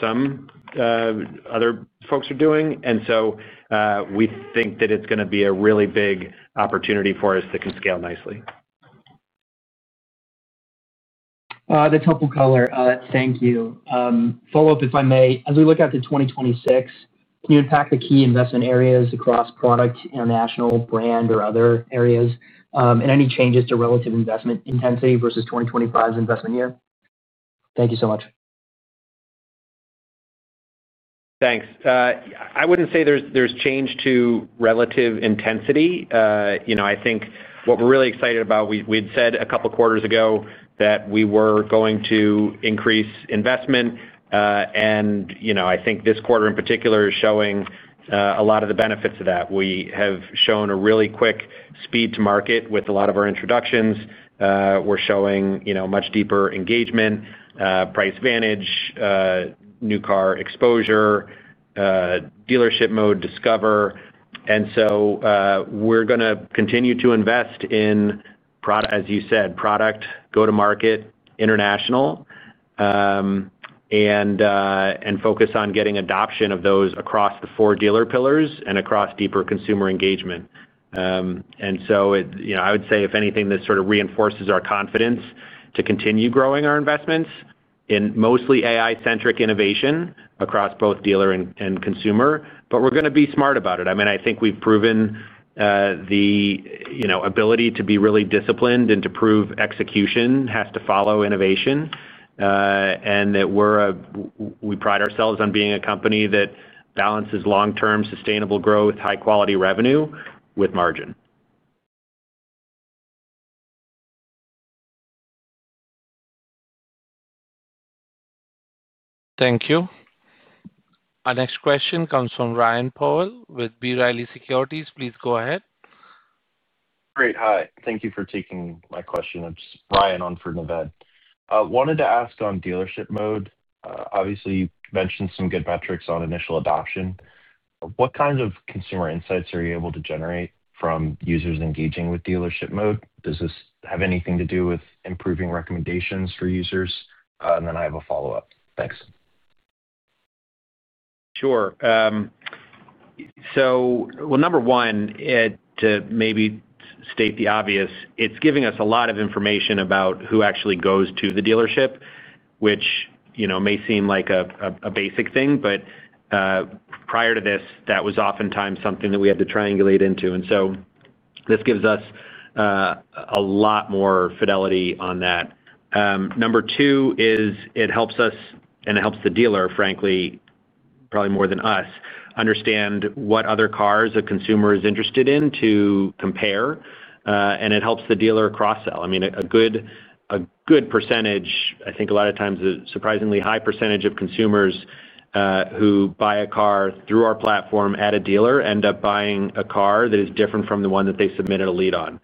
C: some other folks are doing. We think that it's going to be a really big opportunity for us that can scale nicely.
H: That's helpful color. Thank you. Follow-up, if I may. As we look at 2026, can you unpack the key investment areas across product, international, brand, or other areas, and any changes to relative investment intensity versus 2025's investment year? Thank you so much.
C: Thanks. I wouldn't say there's change to relative intensity. I think what we're really excited about, we'd said a couple of quarters ago that we were going to increase investment. I think this quarter in particular is showing a lot of the benefits of that. We have shown a really quick speed to market with a lot of our introductions. We're showing much deeper engagement. Price Vantage. New Car Exposure. Dealership Mode. Discover. We're going to continue to invest in, as you said, product, go-to-market, international, and focus on getting adoption of those across the four dealer pillars and across deeper consumer engagement. I would say, if anything, this sort of reinforces our confidence to continue growing our investments in mostly AI-centric innovation across both dealer and consumer. We're going to be smart about it. I mean, I think we've proven the ability to be really disciplined and to prove execution has to follow innovation, and that we pride ourselves on being a company that balances long-term sustainable growth, high-quality revenue with margin.
A: Thank you. Our next question comes from Ryan Powell with B. Riley Securities. Please go ahead.
I: Great. Hi. Thank you for taking my question. It's Ryan on for Neved. Wanted to ask on Dealership Mode. Obviously, you mentioned some good metrics on initial adoption. What kinds of consumer insights are you able to generate from users engaging with Dealership Mode? Does this have anything to do with improving recommendations for users? I have a follow-up. Thanks.
C: Sure. Number one, to maybe state the obvious, it's giving us a lot of information about who actually goes to the dealership, which may seem like a basic thing, but prior to this, that was oftentimes something that we had to triangulate into. This gives us a lot more fidelity on that. Number two is it helps us, and it helps the dealer, frankly, probably more than us, understand what other cars a consumer is interested in to compare. It helps the dealer cross-sell. I mean, a good percentage, I think a lot of times, a surprisingly high percentage of consumers who buy a car through our platform at a dealer end up buying a car that is different from the one that they submitted a lead on.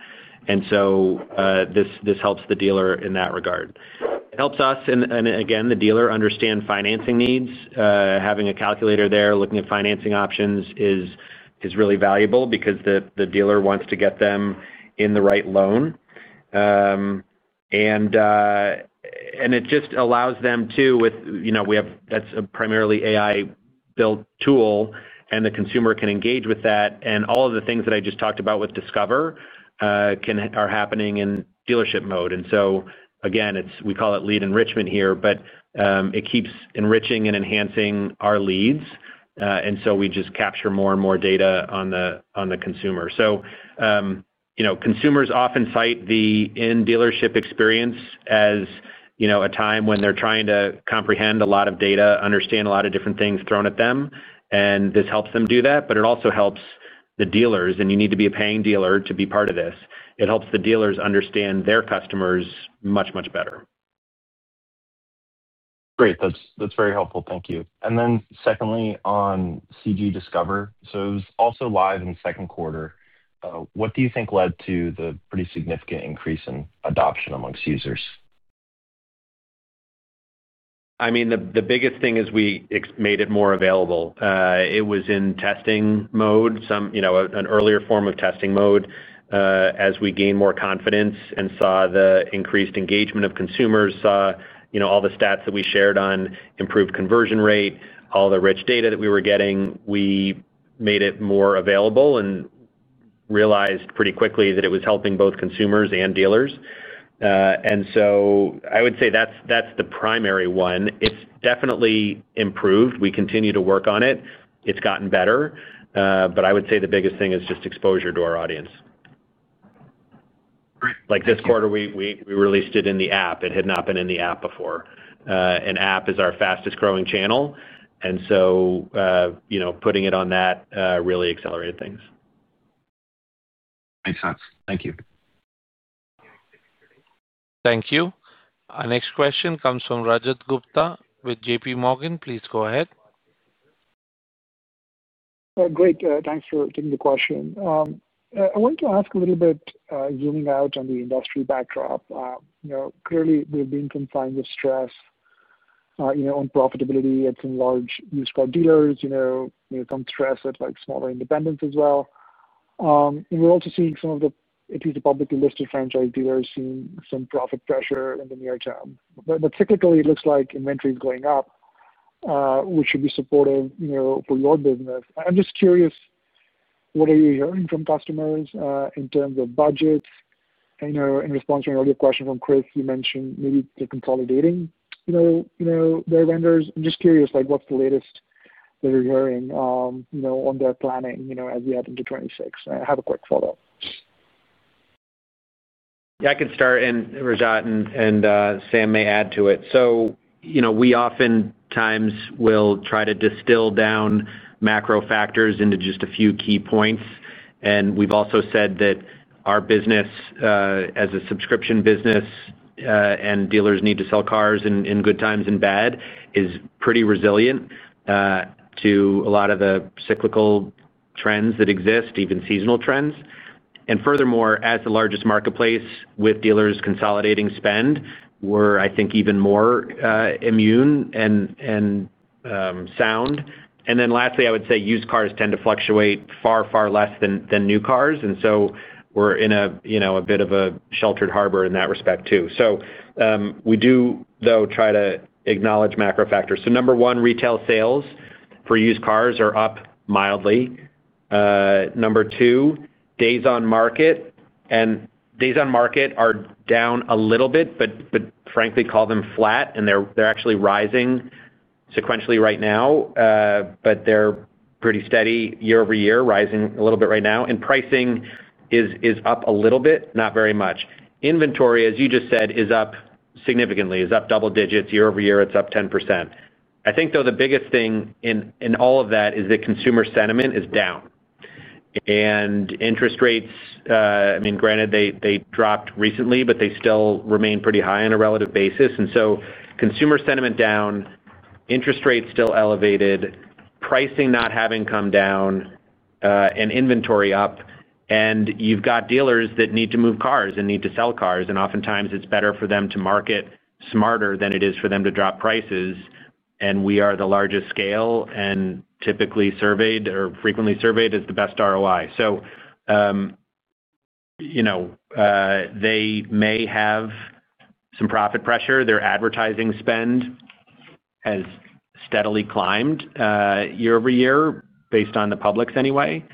C: This helps the dealer in that regard. It helps us, and again, the dealer understand financing needs. Having a calculator there looking at financing options is really valuable because the dealer wants to get them in the right loan. It just allows them to, with. That's a primarily AI-built tool, and the consumer can engage with that. All of the things that I just talked about with Discover. Are happening in Dealership Mode. Again, we call it lead enrichment here, but it keeps enriching and enhancing our leads. It just captures more and more data on the consumer. Consumers often cite the in-dealership experience as a time when they're trying to comprehend a lot of data, understand a lot of different things thrown at them. This helps them do that, but it also helps the dealers. You need to be a paying dealer to be part of this. It helps the dealers understand their customers much, much better.
I: Great. That's very helpful. Thank you. Secondly, on CG Discover, it was also live in the second quarter. What do you think led to the pretty significant increase in adoption amongst users?
C: I mean, the biggest thing is we made it more available. It was in testing mode, an earlier form of testing mode. As we gained more confidence and saw the increased engagement of consumers, saw all the stats that we shared on improved conversion rate, all the rich data that we were getting, we made it more available and realized pretty quickly that it was helping both consumers and dealers. I would say that's the primary one. It's definitely improved. We continue to work on it. It's gotten better. I would say the biggest thing is just exposure to our audience. Like this quarter, we released it in the app. It had not been in the app before. App is our fastest-growing channel. Putting it on that really accelerated things.
I: Makes sense. Thank you.
A: Thank you. Our next question comes from Rajat Gupta with JPMorgan. Please go ahead.
J: Great. Thanks for taking the question. I wanted to ask a little bit, zooming out on the industry backdrop. Clearly, there have been some signs of stress on profitability. It's involved used car dealers, some stress at smaller independents as well. We're also seeing some of the, at least the publicly listed franchise dealers, seeing some profit pressure in the near term. Cyclically, it looks like inventory is going up, which should be supportive for your business. I'm just curious, what are you hearing from customers in terms of budgets? In response to an earlier question from Chris, you mentioned maybe they're consolidating their vendors. I'm just curious, what's the latest that you're hearing on their planning as we head into 2026? I have a quick follow-up.
C: Yeah, I can start, Rajat, and Sam may add to it. We oftentimes will try to distill down macro factors into just a few key points. We have also said that our business, as a subscription business, and dealers need to sell cars in good times and bad, is pretty resilient to a lot of the cyclical trends that exist, even seasonal trends. Furthermore, as the largest marketplace with dealers consolidating spend, we are, I think, even more immune and sound. Lastly, I would say used cars tend to fluctuate far, far less than new cars, and we are in a bit of a sheltered harbor in that respect too. We do, though, try to acknowledge macro factors. Number one, retail sales for used cars are up mildly. Number two, days on market. Days on market are down a little bit, but frankly, call them flat, and they are actually rising sequentially right now. They are pretty steady year-over-year, rising a little bit right now. Pricing is up a little bit, not very much. Inventory, as you just said, is up significantly, is up double digits. Year-over-year, it is up 10%. I think, though, the biggest thing in all of that is that consumer sentiment is down. Interest rates, I mean, granted, they dropped recently, but they still remain pretty high on a relative basis. Consumer sentiment is down. Interest rates are still elevated, pricing not having come down, and inventory up. You have dealers that need to move cars and need to sell cars. Oftentimes, it is better for them to market smarter than it is for them to drop prices. We are the largest scale and typically surveyed or frequently surveyed as the best ROI. They may have some profit pressure. Their advertising spend has steadily climbed year-over-year, based on the public's anyway.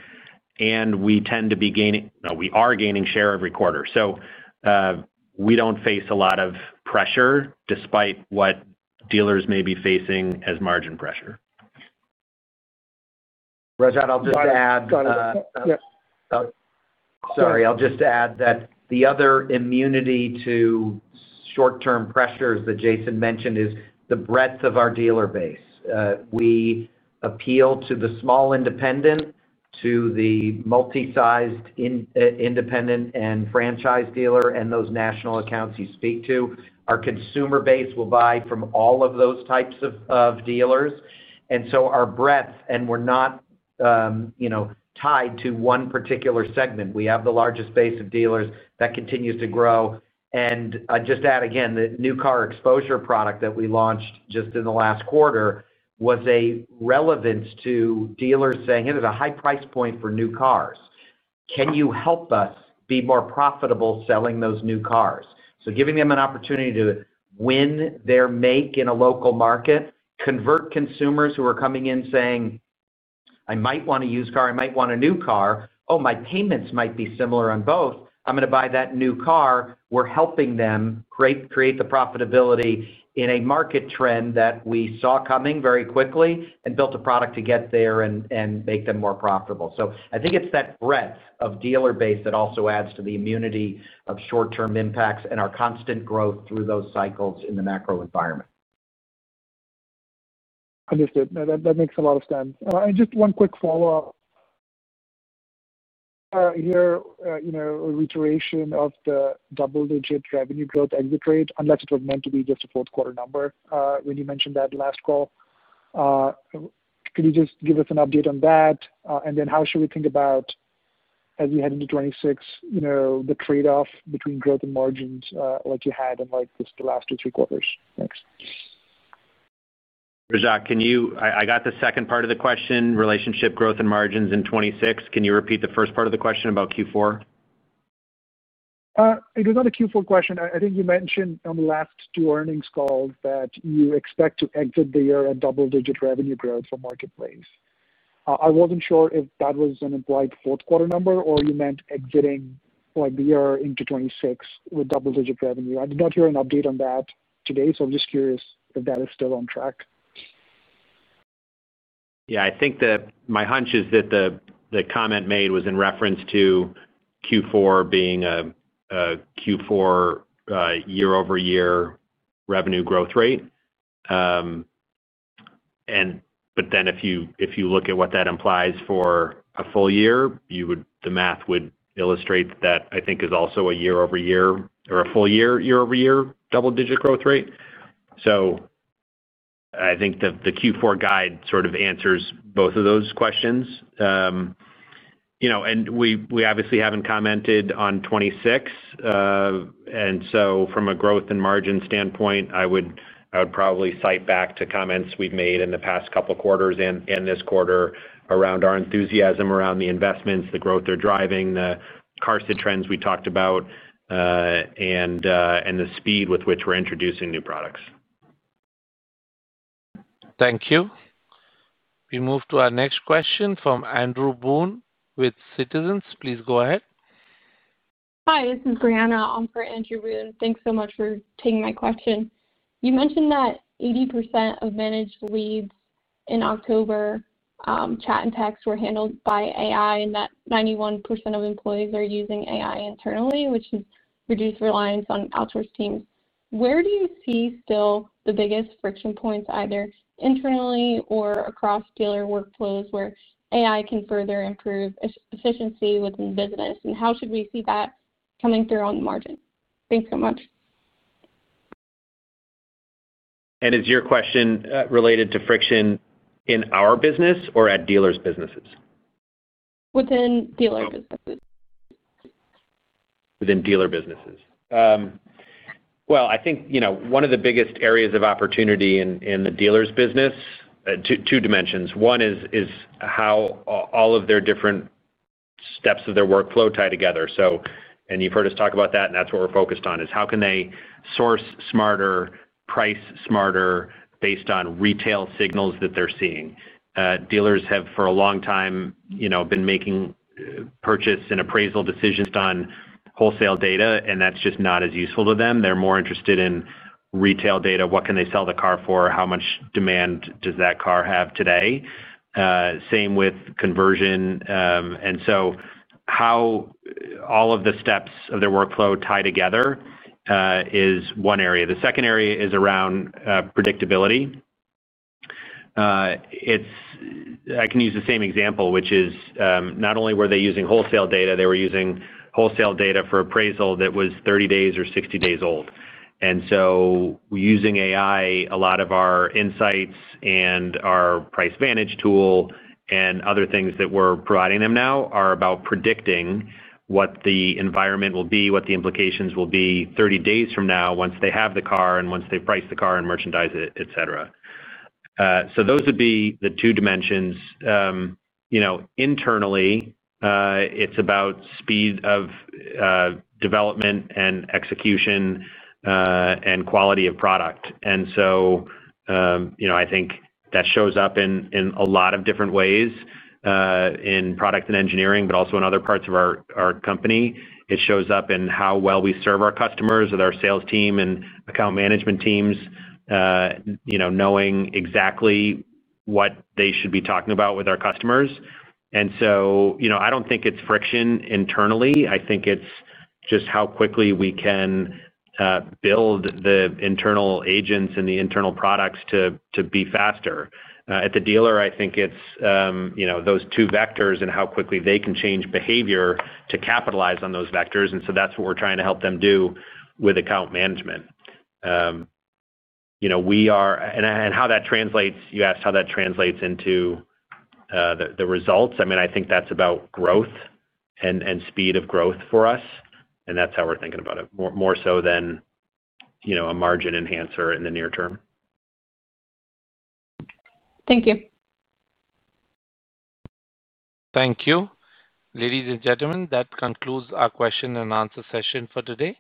C: We tend to be gaining—we are gaining share every quarter. We do not face a lot of pressure despite what dealers may be facing as margin pressure.
E: Rajat, I'll just add. Sorry, I'll just add that the other immunity to short-term pressures that Jason mentioned is the breadth of our dealer base. We appeal to the small independent, to the multi-sized independent and franchise dealer, and those national accounts you speak to. Our consumer base will buy from all of those types of dealers. Our breadth, and we are not tied to one particular segment. We have the largest base of dealers that continues to grow. I just add, again, the New Car Exposure product that we launched just in the last quarter was a relevance to dealers saying, "Here's a high price point for new cars. Can you help us be more profitable selling those new cars?" Giving them an opportunity to win their make in a local market, convert consumers who are coming in saying, "I might want a used car. I might want a new car. Oh, my payments might be similar on both. I'm going to buy that new car." We're helping them create the profitability in a market trend that we saw coming very quickly and built a product to get there and make them more profitable. I think it's that breadth of dealer base that also adds to the immunity of short-term impacts and our constant growth through those cycles in the macro environment.
J: Understood. That makes a lot of sense. Just one quick follow-up. Here. Reiteration of the double-digit revenue growth exit rate, unless it was meant to be just a fourth-quarter number when you mentioned that last call. Could you just give us an update on that? Then how should we think about, as we head into 2026, the trade-off between growth and margins like you had in just the last two, three quarters? Thanks.
C: Rajat, I got the second part of the question, relationship growth and margins in 2026. Can you repeat the first part of the question about Q4?
J: It was not a Q4 question. I think you mentioned on the last two earnings calls that you expect to exit the year at double-digit revenue growth for marketplace. I was not sure if that was an implied fourth-quarter number or you meant exiting the year into 2026 with double-digit revenue. I did not hear an update on that today, so I'm just curious if that is still on track.
C: Yeah. I think that my hunch is that the comment made was in reference to Q4 being a Q4 year-over-year revenue growth rate. If you look at what that implies for a full year, the math would illustrate that, I think, is also a year-over-year or a full-year, year-over-year double-digit growth rate. I think the Q4 guide sort of answers both of those questions. We obviously haven't commented on 2026. From a growth and margin standpoint, I would probably cite back to comments we've made in the past couple of quarters and this quarter around our enthusiasm around the investments, the growth they're driving, the cars and trends we talked about, and the speed with which we're introducing new products.
A: Thank you. We move to our next question from Andrew Boone with Citizens. Please go ahead.
K: Hi. This is Brianna. I'm for Andrew Boone. Thanks so much for taking my question. You mentioned that 80% of managed leads in October. Chat and text were handled by AI, and that 91% of employees are using AI internally, which has reduced reliance on outsourced teams. Where do you see still the biggest friction points, either internally or across dealer workflows, where AI can further improve efficiency within the business? And how should we see that coming through on the margin? Thanks so much.
C: Is your question related to friction in our business or at dealer's businesses?
K: Within dealer businesses.
C: Within dealer businesses. I think one of the biggest areas of opportunity in the dealer's business. Two dimensions. One is how all of their different steps of their workflow tie together. You've heard us talk about that, and that's what we're focused on, is how can they source smarter, price smarter based on retail signals that they're seeing? Dealers have, for a long time, been making purchase and appraisal decisions based on wholesale data, and that's just not as useful to them. They're more interested in retail data, what can they sell the car for, how much demand does that car have today? Same with conversion. How all of the steps of their workflow tie together is one area. The second area is around predictability. I can use the same example, which is not only were they using wholesale data, they were using wholesale data for appraisal that was 30 days or 60 days old. Using AI, a lot of our insights and our Price Vantage tool and other things that we're providing them now are about predicting what the environment will be, what the implications will be 30 days from now once they have the car and once they've priced the car and merchandised it, etc. Those would be the two dimensions. Internally, it's about speed of development and execution and quality of product. I think that shows up in a lot of different ways in product and engineering, but also in other parts of our company. It shows up in how well we serve our customers, our sales team, and account management teams, knowing exactly what they should be talking about with our customers. I don't think it's friction internally. I think it's just how quickly we can build the internal agents and the internal products to be faster. At the dealer, I think it's those two vectors and how quickly they can change behavior to capitalize on those vectors. That is what we're trying to help them do with account management. How that translates—you asked how that translates into the results. I mean, I think that's about growth and speed of growth for us. That is how we're thinking about it, more so than a margin enhancer in the near term.
K: Thank you.
A: Thank you. Ladies and gentlemen, that concludes our question and answer session for today.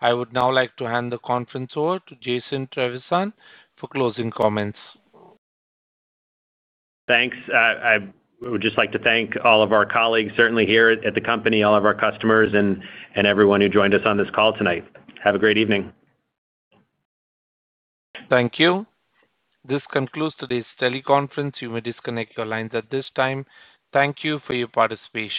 A: I would now like to hand the conference over to Jason Trevisan for closing comments.
C: Thanks. I would just like to thank all of our colleagues, certainly here at the company, all of our customers, and everyone who joined us on this call tonight. Have a great evening.
A: Thank you. This concludes today's teleconference. You may disconnect your lines at this time. Thank you for your participation.